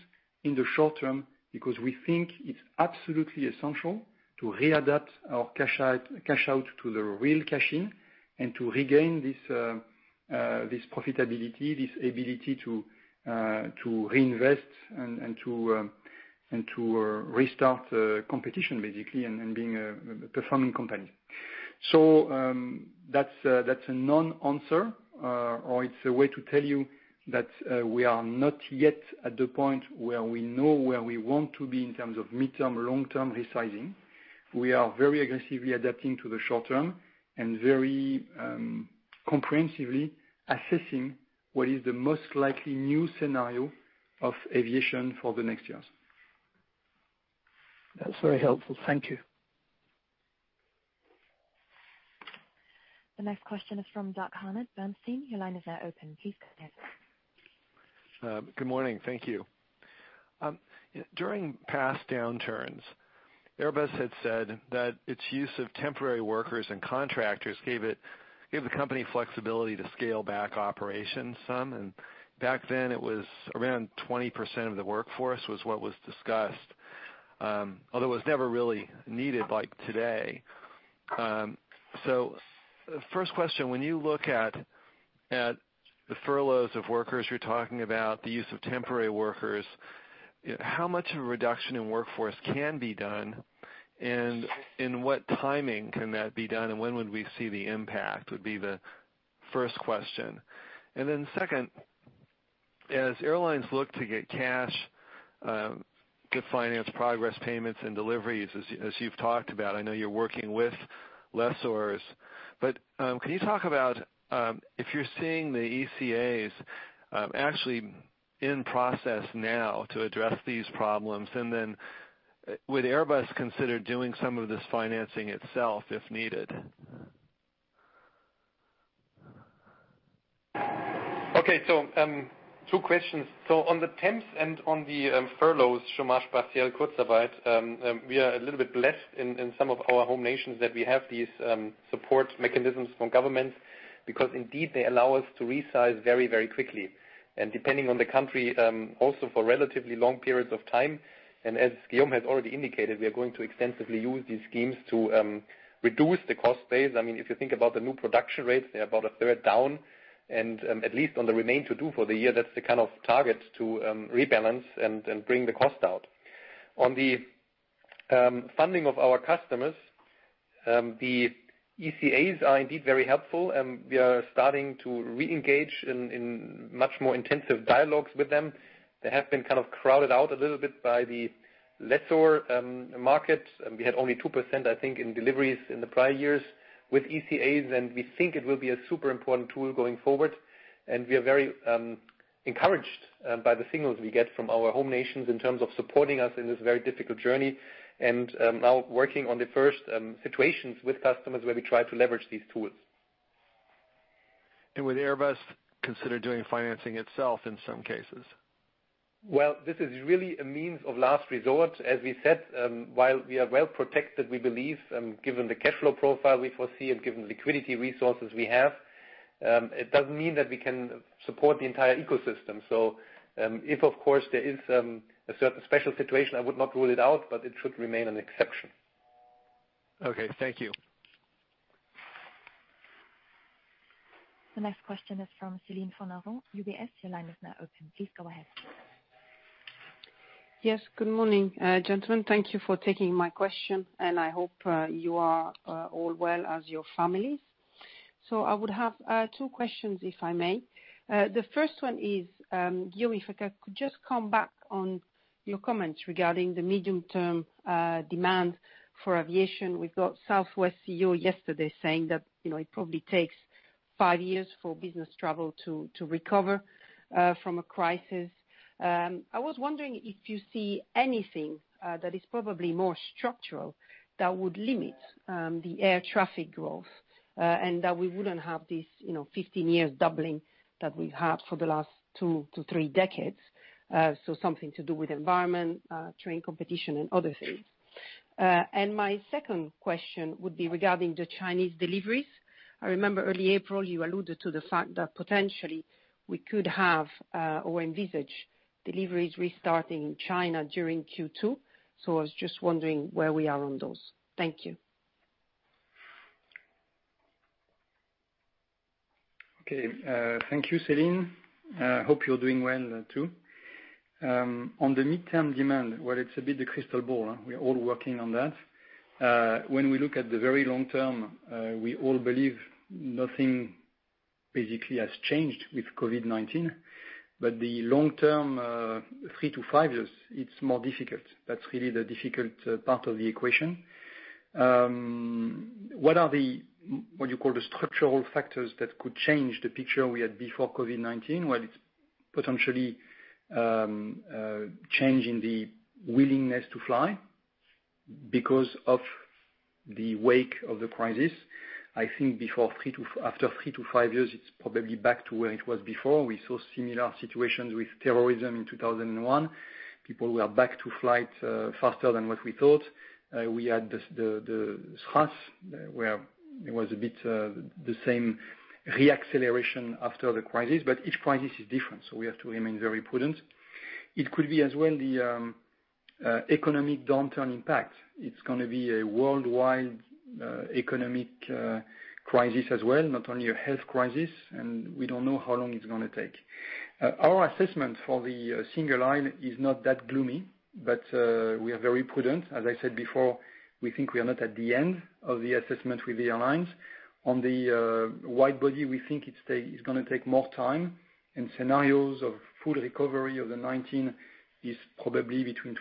in the short term because we think it's absolutely essential to readapt our cash out to the real cash in and to regain this profitability, this ability to reinvest and to restart competition, basically, and being a performing company. That's a non-answer. It's a way to tell you that we are not yet at the point where we know where we want to be in terms of midterm or long-term resizing. We are very aggressively adapting to the short term and very comprehensively assessing what is the most likely new scenario of aviation for the next years. That's very helpful. Thank you. The next question is from Doug Harned, Bernstein. Your line is now open. Please go ahead. Good morning. Thank you. During past downturns, Airbus had said that its use of temporary workers and contractors gave the company flexibility to scale back operations some, and back then it was around 20% of the workforce was what was discussed. Although it was never really needed like today. First question, when you look at the furloughs of workers, you're talking about the use of temporary workers, how much of a reduction in workforce can be done? In what timing can that be done, and when would we see the impact, would be the first question. Second, as airlines look to get cash, get finance progress payments and deliveries, as you've talked about, I know you're working with lessors, but can you talk about if you're seeing the ECAs actually in process now to address these problems? Would Airbus consider doing some of this financing itself if needed? Okay, two questions. On the temps and on the furloughs, we are a little bit blessed in some of our home nations that we have these support mechanisms from governments because indeed they allow us to resize very, very quickly. Depending on the country, also for relatively long periods of time. As Guillaume has already indicated, we are going to extensively use these schemes to reduce the cost base. If you think about the new production rates, they're about a third down and at least on the remain to do for the year, that's the kind of target to rebalance and bring the cost out. On the funding of our customers, the ECAs are indeed very helpful and we are starting to reengage in much more intensive dialogues with them. They have been kind of crowded out a little bit by the lessor market. We had only 2%, I think, in deliveries in the prior years with ECAs. We think it will be a super important tool going forward. We are very encouraged by the signals we get from our home nations in terms of supporting us in this very difficult journey and now working on the first situations with customers where we try to leverage these tools. Would Airbus consider doing financing itself in some cases? Well, this is really a means of last resort. As we said, while we are well-protected, we believe, given the cash flow profile we foresee and given liquidity resources we have, it doesn't mean that we can support the entire ecosystem. So if of course there is a certain special situation, I would not rule it out, but it should remain an exception. Okay, thank you. The next question is from Céline Fornaro, UBS. Your line is now open. Please go ahead. Yes, good morning, gentlemen. Thank you for taking my question. I hope you are all well, as your families. I would have two questions, if I may. The first one is, Guillaume, if I could just come back on your comments regarding the medium-term demand for aviation. We've got Southwest CEO yesterday saying that it probably takes five years for business travel to recover from a crisis. I was wondering if you see anything that is probably more structural that would limit the air traffic growth, and that we wouldn't have this 15 years doubling that we've had for the last two to three decades. Something to do with environment, train competition, and other things. My second question would be regarding the Chinese deliveries. I remember early April you alluded to the fact that potentially we could have, or envisage deliveries restarting in China during Q2. I was just wondering where we are on those. Thank you. Okay. Thank you, Céline. I hope you're doing well too. On the midterm demand, well it's a bit the crystal ball. We are all working on that. We look at the very long term, we all believe nothing basically has changed with COVID-19. The long term, three to five years, it's more difficult. That's really the difficult part of the equation. What you call the structural factors that could change the picture we had before COVID-19? Well, it's potentially change in the willingness to fly because of the wake of the crisis. I think after three to five years, it's probably back to where it was before. We saw similar situations with terrorism in 2001. People were back to flight faster than what we thought. We had the SARS, where it was a bit the same re-acceleration after the crisis. Each crisis is different, we have to remain very prudent. It could be as well the economic downturn impact. It's going to be a worldwide economic crisis as well, not only a health crisis. We don't know how long it's going to take. Our assessment for the single-aisle is not that gloomy. We are very prudent. As I said before, we think we are not at the end of the assessment with the airlines. On the wide body, we think it's going to take more time. Scenarios of full recovery of the 19 is probably between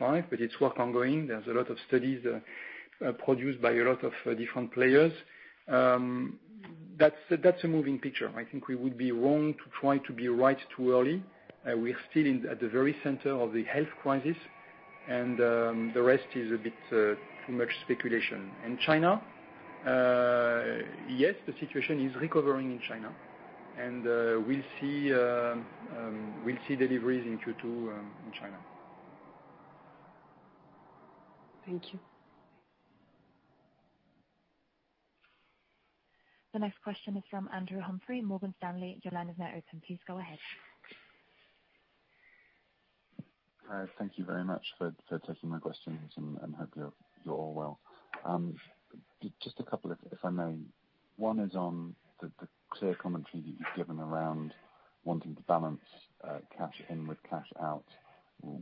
2023-2025. It's work ongoing. There's a lot of studies produced by a lot of different players. That's a moving picture. I think we would be wrong to try to be right too early. We are still at the very center of the health crisis, and the rest is a bit too much speculation. China, yes, the situation is recovering in China, and we'll see deliveries in Q2 in China. Thank you. The next question is from Andrew Humphrey, Morgan Stanley. Your line is now open. Please go ahead. Hi. Thank you very much for taking my questions. Hope you're all well. Just a couple if I may. One is on the clear commentary that you've given around wanting to balance cash in with cash out,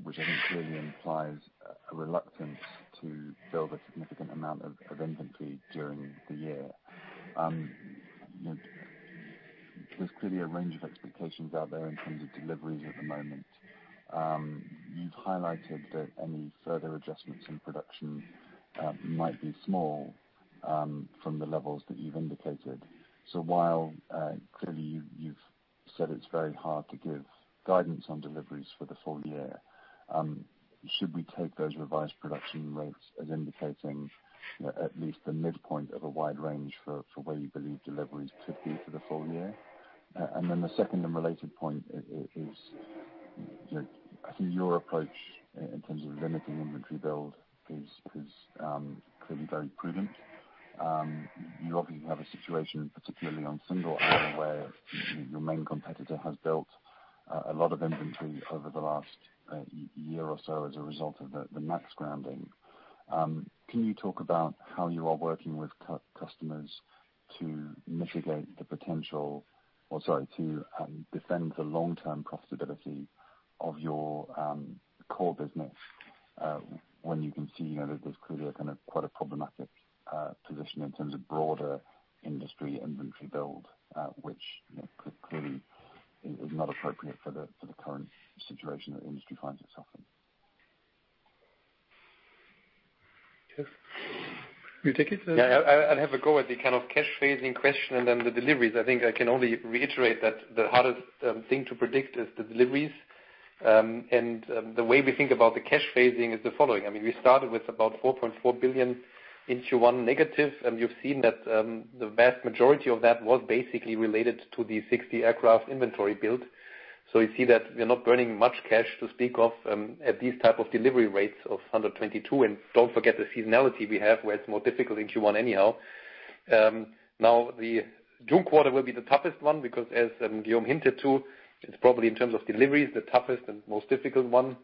which I think clearly implies a reluctance to build a significant amount of inventory during the year. There's clearly a range of expectations out there in terms of deliveries at the moment. You've highlighted that any further adjustments in production might be small from the levels that you've indicated. While, clearly you've said it's very hard to give guidance on deliveries for the full-year, should we take those revised production rates as indicating at least the midpoint of a wide range for where you believe deliveries could be for the full-year? The second and related point is, I see your approach in terms of limiting inventory build is clearly very prudent. You obviously have a situation, particularly on single-aisle, where your main competitor has built a lot of inventory over the last year or so as a result of the MAX grounding. Can you talk about how you are working with customers to mitigate the potential or, sorry, to defend the long-term profitability of your core business, when you can see there's clearly a kind of quite a problematic position in terms of broader industry inventory build, which clearly is not appropriate for the current situation the industry finds itself in? Dom, will you take it? Yeah. I'll have a go at the kind of cash phasing question and then the deliveries. I think I can only reiterate that the hardest thing to predict is the deliveries. The way we think about the cash phasing is the following. We started with about 4.4 billion in Q1 negative, and you've seen that the vast majority of that was basically related to the 60 aircraft inventory build. You see that we are not burning much cash to speak of at these type of delivery rates of 122. Don't forget the seasonality we have, where it's more difficult in Q1 anyhow. Now, the June quarter will be the toughest one because as Guillaume hinted to, it's probably in terms of deliveries, the toughest and most difficult one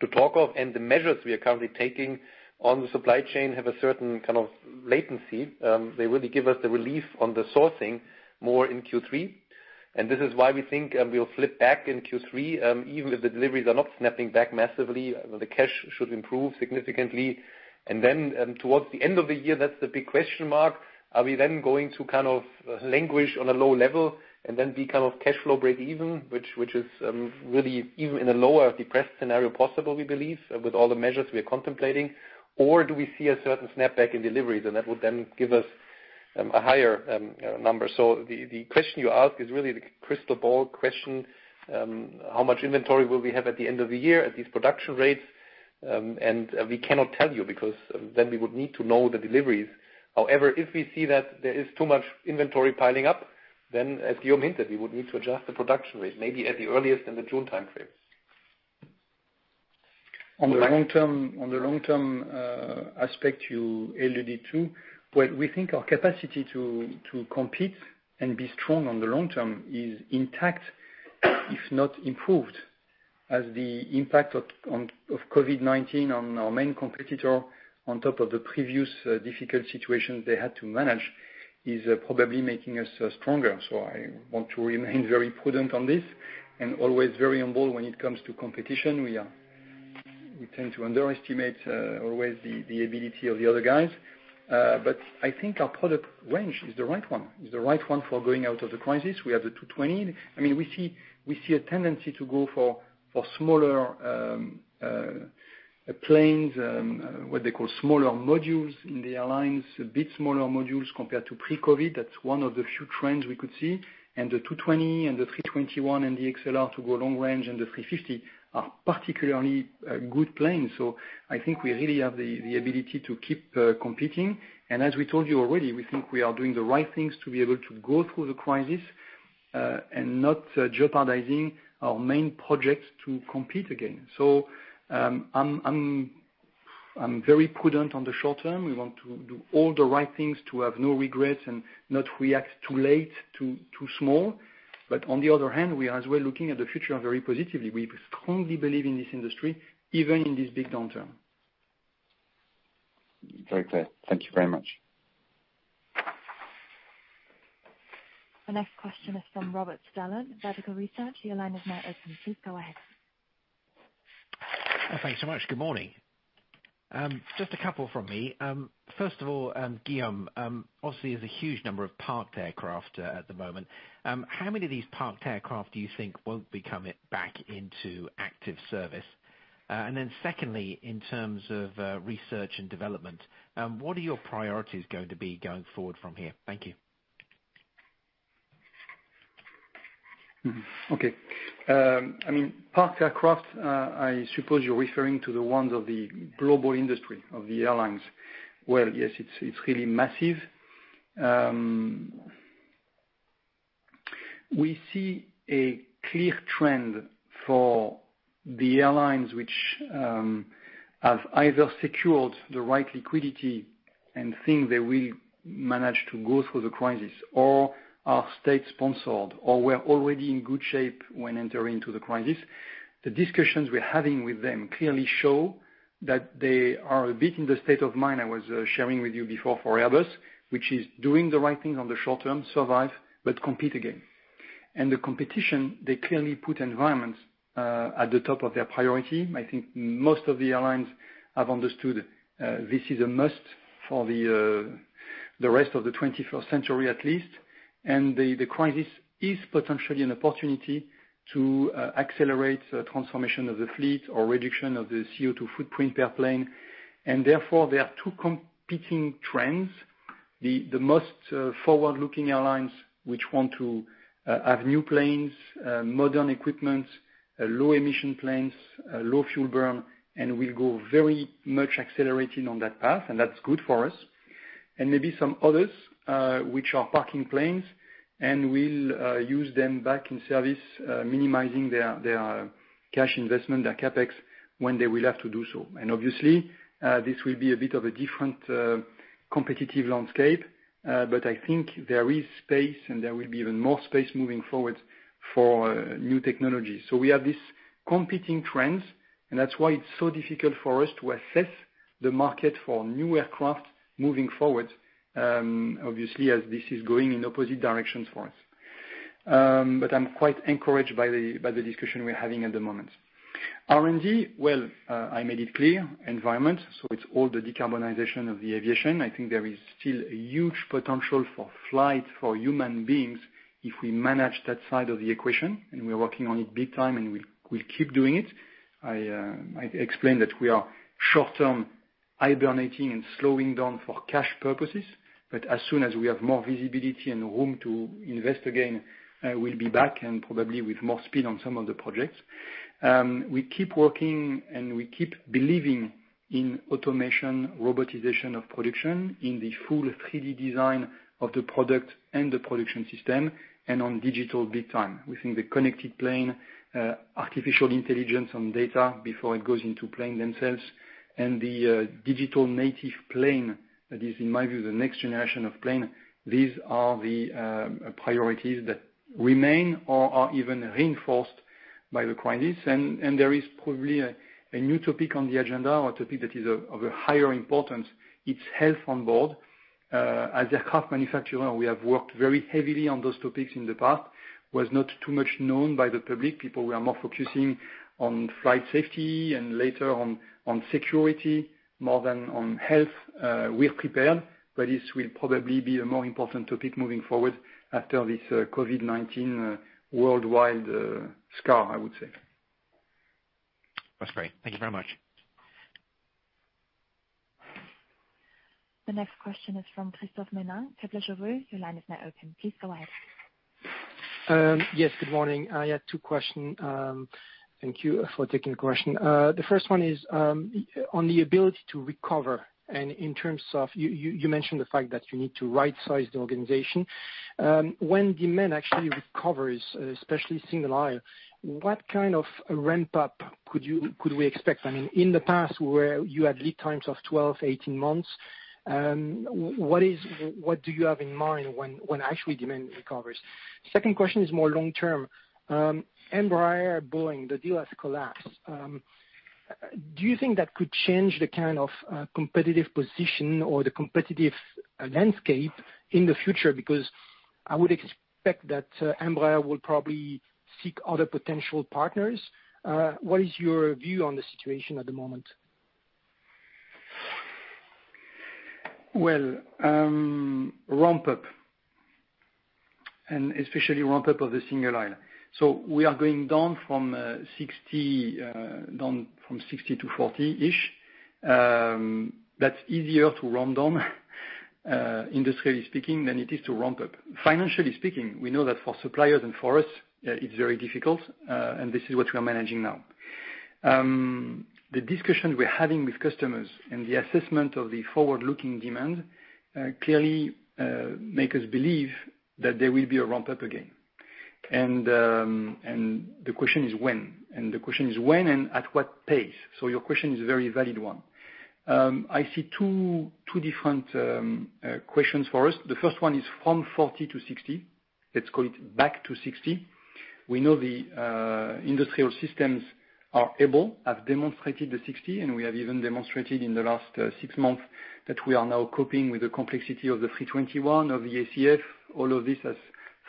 to talk of. The measures we are currently taking on the supply chain have a certain kind of latency. They really give us the relief on the sourcing more in Q3. This is why we think we'll flip back in Q3. Even if the deliveries are not snapping back massively, the cash should improve significantly. Then, towards the end of the year, that's the big question mark. Are we then going to kind of languish on a low level and then be kind of cash flow breakeven, which is really even in a lower depressed scenario possible, we believe, with all the measures we are contemplating? Or do we see a certain snapback in deliveries? That would then give us a higher number. The question you ask is really the crystal ball question. How much inventory will we have at the end of the year at these production rates? We cannot tell you because then we would need to know the deliveries. However, if we see that there is too much inventory piling up, then as Guillaume hinted, we would need to adjust the production rate, maybe at the earliest in the June time frame. On the long-term aspect you alluded to, well, we think our capacity to compete and be strong on the long term is intact, if not improved as the impact of COVID-19 on our main competitor, on top of the previous difficult situations they had to manage, is probably making us stronger. I want to remain very prudent on this and always very humble when it comes to competition. We tend to underestimate always the ability of the other guys. I think our product range is the right one. It's the right one for going out of the crisis. We have the 220. We see a tendency to go for smaller planes, what they call smaller modules in the airlines, a bit smaller modules compared to pre-COVID. That's one of the few trends we could see. And the A220 and the A321 and the A321XLR to go long range and the A350 are particularly good planes. I think we really have the ability to keep competing, and as we told you already, we think we are doing the right things to be able to go through the crisis, and not jeopardizing our main projects to compete again. I'm very prudent on the short term. We want to do all the right things to have no regrets and not react too late, too small. On the other hand, we are as well looking at the future very positively. We strongly believe in this industry, even in this big downturn. Very clear. Thank you very much. The next question is from Robert Stallard, Vertical Research. Your line is now open. Please go ahead. Thanks so much. Good morning. Just a couple from me. First of all, Guillaume, obviously there's a huge number of parked aircraft at the moment. How many of these parked aircraft do you think won't be coming back into active service? Then secondly, in terms of research and development, what are your priorities going to be going forward from here? Thank you. Okay. Parked aircraft, I suppose you're referring to the ones of the global industry of the airlines. Well, yes, it's really massive. We see a clear trend for the airlines which have either secured the right liquidity and think they will manage to go through the crisis, or are state-sponsored, or were already in good shape when entering into the crisis. The discussions we're having with them clearly show that they are a bit in the state of mind I was sharing with you before for others, which is doing the right thing on the short-term, survive, but compete again. The competition, they clearly put environments at the top of their priority. I think most of the airlines have understood this is a must for the rest of the 21st century at least. The crisis is potentially an opportunity to accelerate transformation of the fleet or reduction of the CO2 footprint per plane. Therefore, there are two competing trends. The most forward-looking airlines, which want to have new planes, modern equipment, low-emission planes, low fuel burn, and will go very much accelerating on that path, and that's good for us. Maybe some others, which are parking planes and will use them back in service, minimizing their cash investment, their CapEx, when they will have to do so. Obviously, this will be a bit of a different competitive landscape. I think there is space and there will be even more space moving forward for new technology. We have these competing trends, and that's why it's so difficult for us to assess the market for new aircraft moving forward, obviously, as this is going in opposite directions for us. I'm quite encouraged by the discussion we're having at the moment. R&D, well, I made it clear, environment, it's all the decarbonization of the aviation. I think there is still a huge potential for flight for human beings if we manage that side of the equation, and we're working on it big time, and we'll keep doing it. I explained that we are short-term hibernating and slowing down for cash purposes, as soon as we have more visibility and room to invest again, we'll be back and probably with more speed on some of the projects. We keep working and we keep believing in automation, robotization of production, in the full 3D design of the product and the production system, and on digital big time. We think the connected plane, artificial intelligence on data before it goes into plane themselves, and the digital native plane that is, in my view, the next generation of plane. These are the priorities that remain or are even reinforced by the crisis. There is probably a new topic on the agenda or topic that is of a higher importance. It's health on board. As aircraft manufacturer, we have worked very heavily on those topics in the past, was not too much known by the public. People were more focusing on flight safety and later on security more than on health. We're prepared, but this will probably be a more important topic moving forward after this COVID-19 worldwide scar, I would say. That's great. Thank you very much. The next question is from Christophe Menard, Kepler Cheuvreux Your line is now open. Please go ahead. Yes, good morning. I had two questions. Thank you for taking the question. The first one is on the ability to recover, and in terms of, you mentioned the fact that you need to right-size the organization. When demand actually recovers, especially single-aisle, what kind of ramp-up could we expect? In the past, where you had lead times of 12, 18 months, what do you have in mind when actually demand recovers? Second question is more long-term. Embraer, Boeing, the deal has collapsed. Do you think that could change the kind of competitive position or the competitive landscape in the future? I would expect that Embraer will probably seek other potential partners. What is your view on the situation at the moment? Well, ramp-up, and especially ramp-up of the single-aisle. We are going down from 60-40-ish. That's easier to ramp down, industrially speaking, than it is to ramp up. Financially speaking, we know that for suppliers and for us, it's very difficult. This is what we are managing now. The discussion we're having with customers and the assessment of the forward-looking demand, clearly make us believe that there will be a ramp-up again. The question is when? The question is when and at what pace? Your question is a very valid one. I see two different questions for us. The first one is from 40-60. Let's call it back to 60. We know the industrial systems are able, have demonstrated the 60, and we have even demonstrated in the last six months that we are now coping with the complexity of the A321 of the ACF. All of this has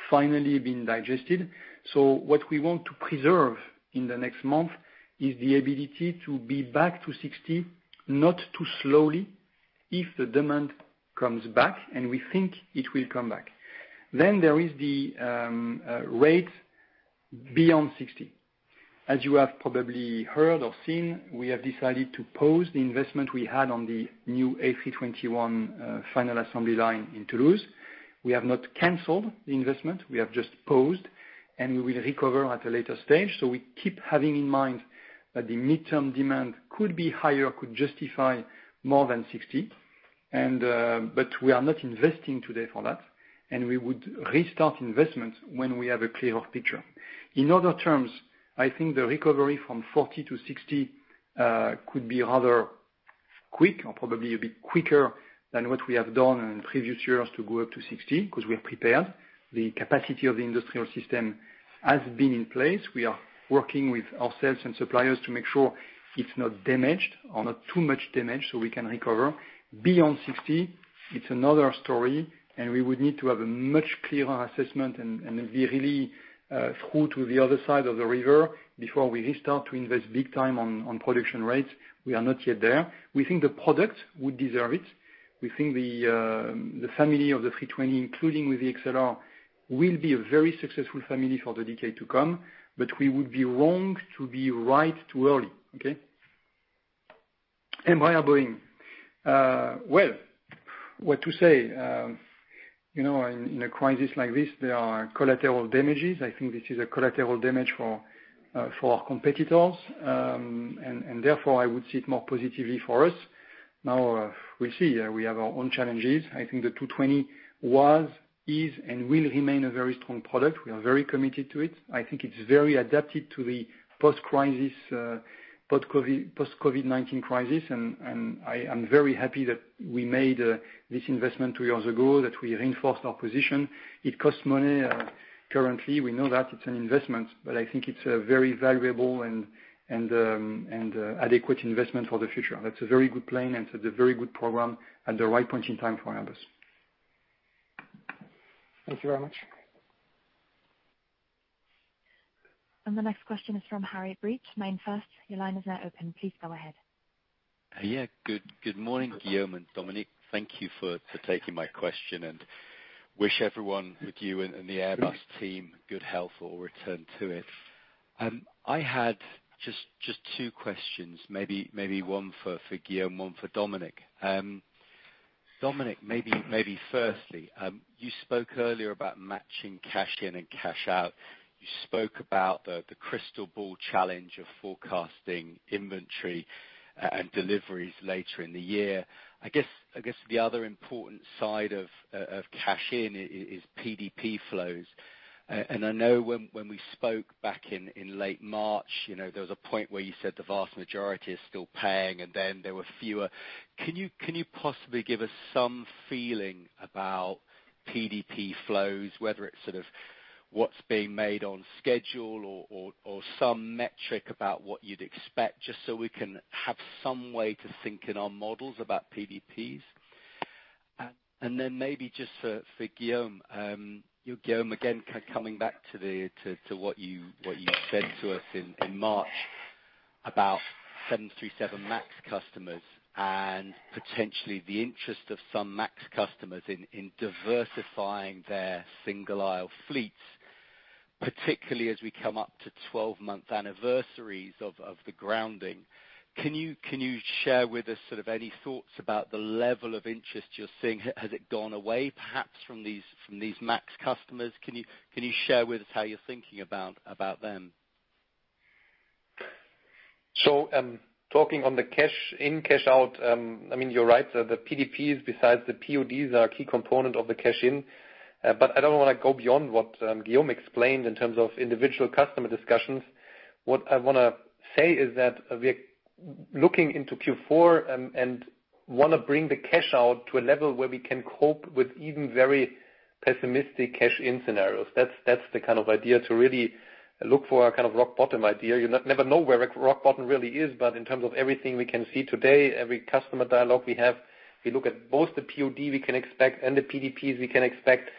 finally been digested. What we want to preserve in the next month is the ability to be back to 60, not too slowly, if the demand comes back, and we think it will come back. There is the rate beyond 60. As you have probably heard or seen, we have decided to pause the investment we had on the new A321 final assembly line in Toulouse. We have not canceled the investment, we have just paused, and we will recover at a later stage. We keep having in mind that the mid-term demand could be higher, could justify more than 60. We are not investing today for that, and we would restart investments when we have a clear picture. In other terms, I think the recovery from 40 to 60 could be rather quick, or probably a bit quicker than what we have done in previous years to go up to 60, because we are prepared. The capacity of the industrial system has been in place. We are working with ourselves and suppliers to make sure it's not damaged, or not too much damage, so we can recover. Beyond 60, it's another story, and we would need to have a much clearer assessment and be really through to the other side of the river, before we restart to invest big time on production rates. We are not yet there. We think the product would deserve it. We think the family of the A320, including with the A321XLR, will be a very successful family for the decade to come. We would be wrong to be right too early. Okay. What about Boeing? Well, what to say? In a crisis like this, there are collateral damages. I think this is a collateral damage for our competitors. Therefore, I would see it more positively for us. Now, we have our own challenges. I think the A220 was, is, and will remain a very strong product. We are very committed to it. I think it's very adapted to the post-COVID-19 crisis, and I'm very happy that we made this investment two years ago, that we reinforced our position. It costs money, currently. We know that it's an investment. I think it's a very valuable and adequate investment for the future. That's a very good plan, and it's a very good program, at the right point in time for Airbus. Thank you very much. The next question is from Harry Breach, MainFirst. Your line is now open. Please go ahead. Yeah, good morning, Guillaume and Dominik. Thank you for taking my question, and wish everyone with you and the Airbus team good health, or return to it. I had just two questions. Maybe one for Guillaume, one for Dominik. Dominik, maybe firstly, you spoke earlier about matching cash in and cash out. You spoke about the crystal ball challenge of forecasting inventory, and deliveries later in the year. I guess, the other important side of cash in is PDP flows. I know when we spoke back in late March, there was a point where you said the vast majority is still paying, and then there were fewer. Can you possibly give us some feeling about PDP flows, whether it's sort of what's being made on schedule or some metric about what you'd expect, just so we can have some way to think in our models about PDPs? Maybe just for Guillaume. Guillaume, again, coming back to what you said to us in March about 737 MAX customers, and potentially the interest of some MAX customers in diversifying their single-aisle fleets, particularly as we come up to 12-month anniversaries of the grounding. Can you share with us sort of any thoughts about the level of interest you're seeing? Has it gone away, perhaps, from these MAX customers? Can you share with us how you're thinking about them? Talking on the cash in, cash out, you're right. The PDPs, besides the PODs, are a key component of the cash in. I don't want to go beyond what Guillaume explained in terms of individual customer discussions. What I want to say is that we're looking into Q4 and want to bring the cash out to a level where we can cope with even very pessimistic cash in scenarios. That's the kind of idea to really look for a kind of rock bottom idea. You never know where rock bottom really is, but in terms of everything we can see today, every customer dialogue we have, we look at both the POD we can expect and the PDPs we can expect,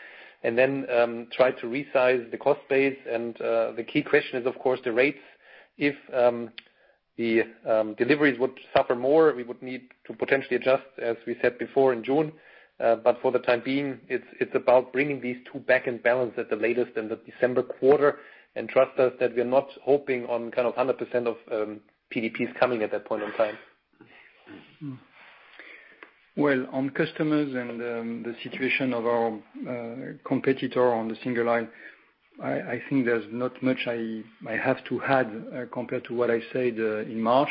and then try to resize the cost base, and the key question is, of course, the rates. If the deliveries would suffer more, we would need to potentially adjust, as we said before, in June. For the time being, it's about bringing these two back in balance at the latest in the December quarter. Trust us that we're not hoping on kind of 100% of PDPs coming at that point in time. On customers and the situation of our competitor on the single-aisle, I think there's not much I have to add compared to what I said in March.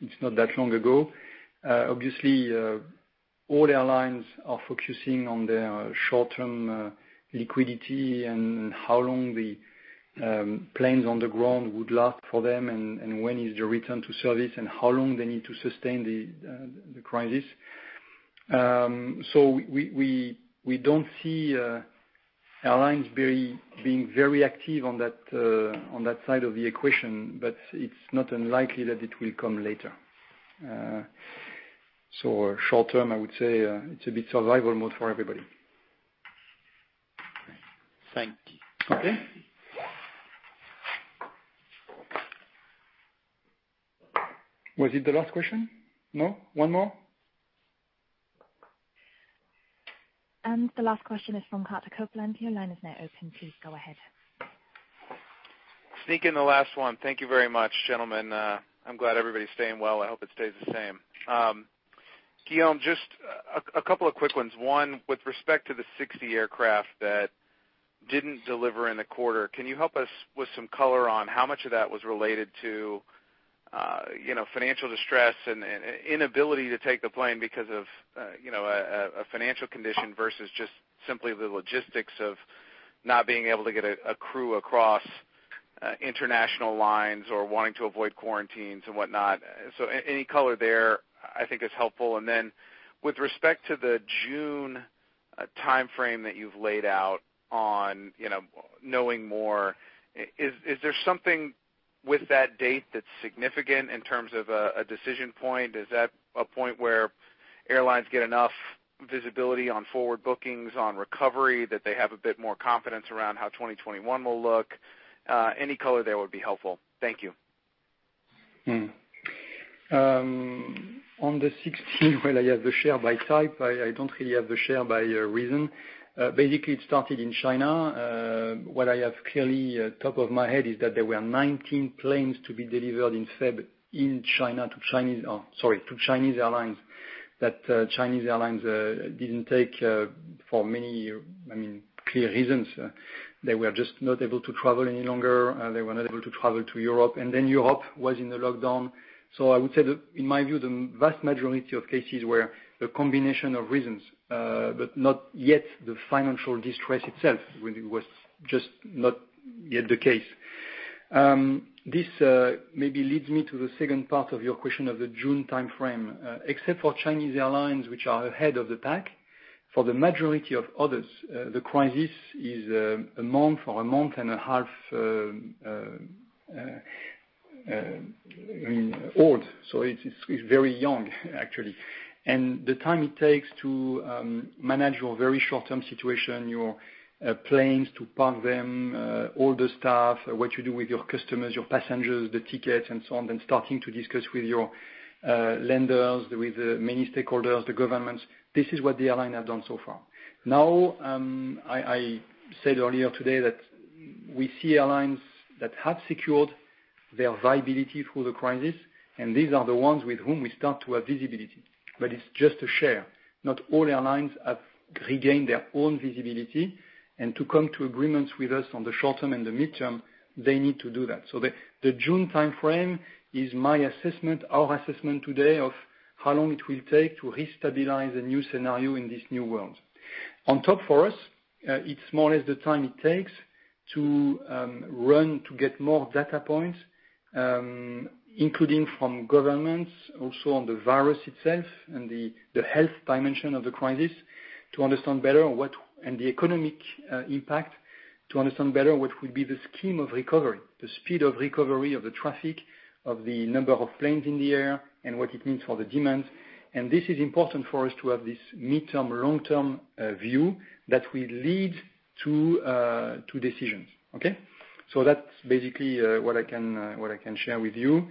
It's not that long ago. Obviously, all airlines are focusing on their short-term liquidity and how long the planes on the ground would last for them, and when is the return to service, and how long they need to sustain the crisis. We don't see airlines being very active on that side of the equation, but it's not unlikely that it will come later. Short term, I would say it's a bit survival mode for everybody. Thank you. Okay. Was it the last question? No? One more? The last question is from Carter Copeland. Your line is now open. Please go ahead. Sneak in the last one. Thank you very much, gentlemen. I'm glad everybody's staying well. I hope it stays the same. Guillaume, just a couple of quick ones. One, with respect to the 60 aircraft that didn't deliver in the quarter, can you help us with some color on how much of that was related to financial distress and inability to take the plane because of a financial condition versus just simply the logistics of not being able to get a crew across international lines or wanting to avoid quarantines and whatnot? Any color there I think is helpful. With respect to the June timeframe that you've laid out on knowing more, is there something with that date that's significant in terms of a decision point? Is that a point where airlines get enough visibility on forward bookings, on recovery, that they have a bit more confidence around how 2021 will look? Any color there would be helpful. Thank you. On the 60 where I have the share by type, I don't really have the share by reason. It started in China. What I have clearly top of my head is that there were 19 planes to be delivered in February in China to Chinese airlines, that Chinese airlines didn't take for many clear reasons. They were just not able to travel any longer. They were not able to travel to Europe was in a lockdown. I would say that in my view, the vast majority of cases were the combination of reasons, not yet the financial distress itself. It was just not yet the case. This maybe leads me to the second part of your question of the June timeframe. Except for Chinese airlines, which are ahead of the pack, for the majority of others, the crisis is a month or a month and a half old. It's very young, actually. The time it takes to manage your very short-term situation, your planes, to park them, all the staff, what you do with your customers, your passengers, the tickets, and so on, then starting to discuss with your lenders, with the many stakeholders, the governments. This is what the airline have done so far. I said earlier today that we see airlines that have secured their viability through the crisis, and these are the ones with whom we start to have visibility. It's just a share. Not all airlines have regained their own visibility and to come to agreements with us on the short term and the midterm, they need to do that. The June timeframe is my assessment, our assessment today of how long it will take to restabilize a new scenario in this new world. On top for us, it's more or less the time it takes to run to get more data points, including from governments, also on the virus itself and the health dimension of the crisis to understand better the economic impact, to understand better what will be the scheme of recovery, the speed of recovery of the traffic, of the number of planes in the air, and what it means for the demand. This is important for us to have this midterm, long-term view that will lead to decisions. Okay? That's basically what I can share with you.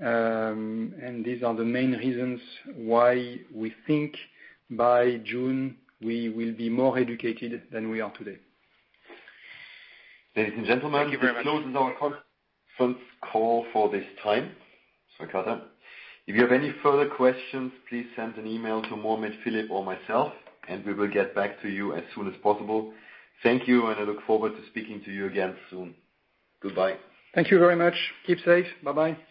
These are the main reasons why we think by June, we will be more educated than we are today. Ladies and gentlemen. Thank you very much. This closes our conference call for this time. Sorry, Carter. If you have any further questions, please send an email to Mohammed, Philip, or myself, and we will get back to you as soon as possible. Thank you, and I look forward to speaking to you again soon. Goodbye. Thank you very much. Keep safe. Bye-bye.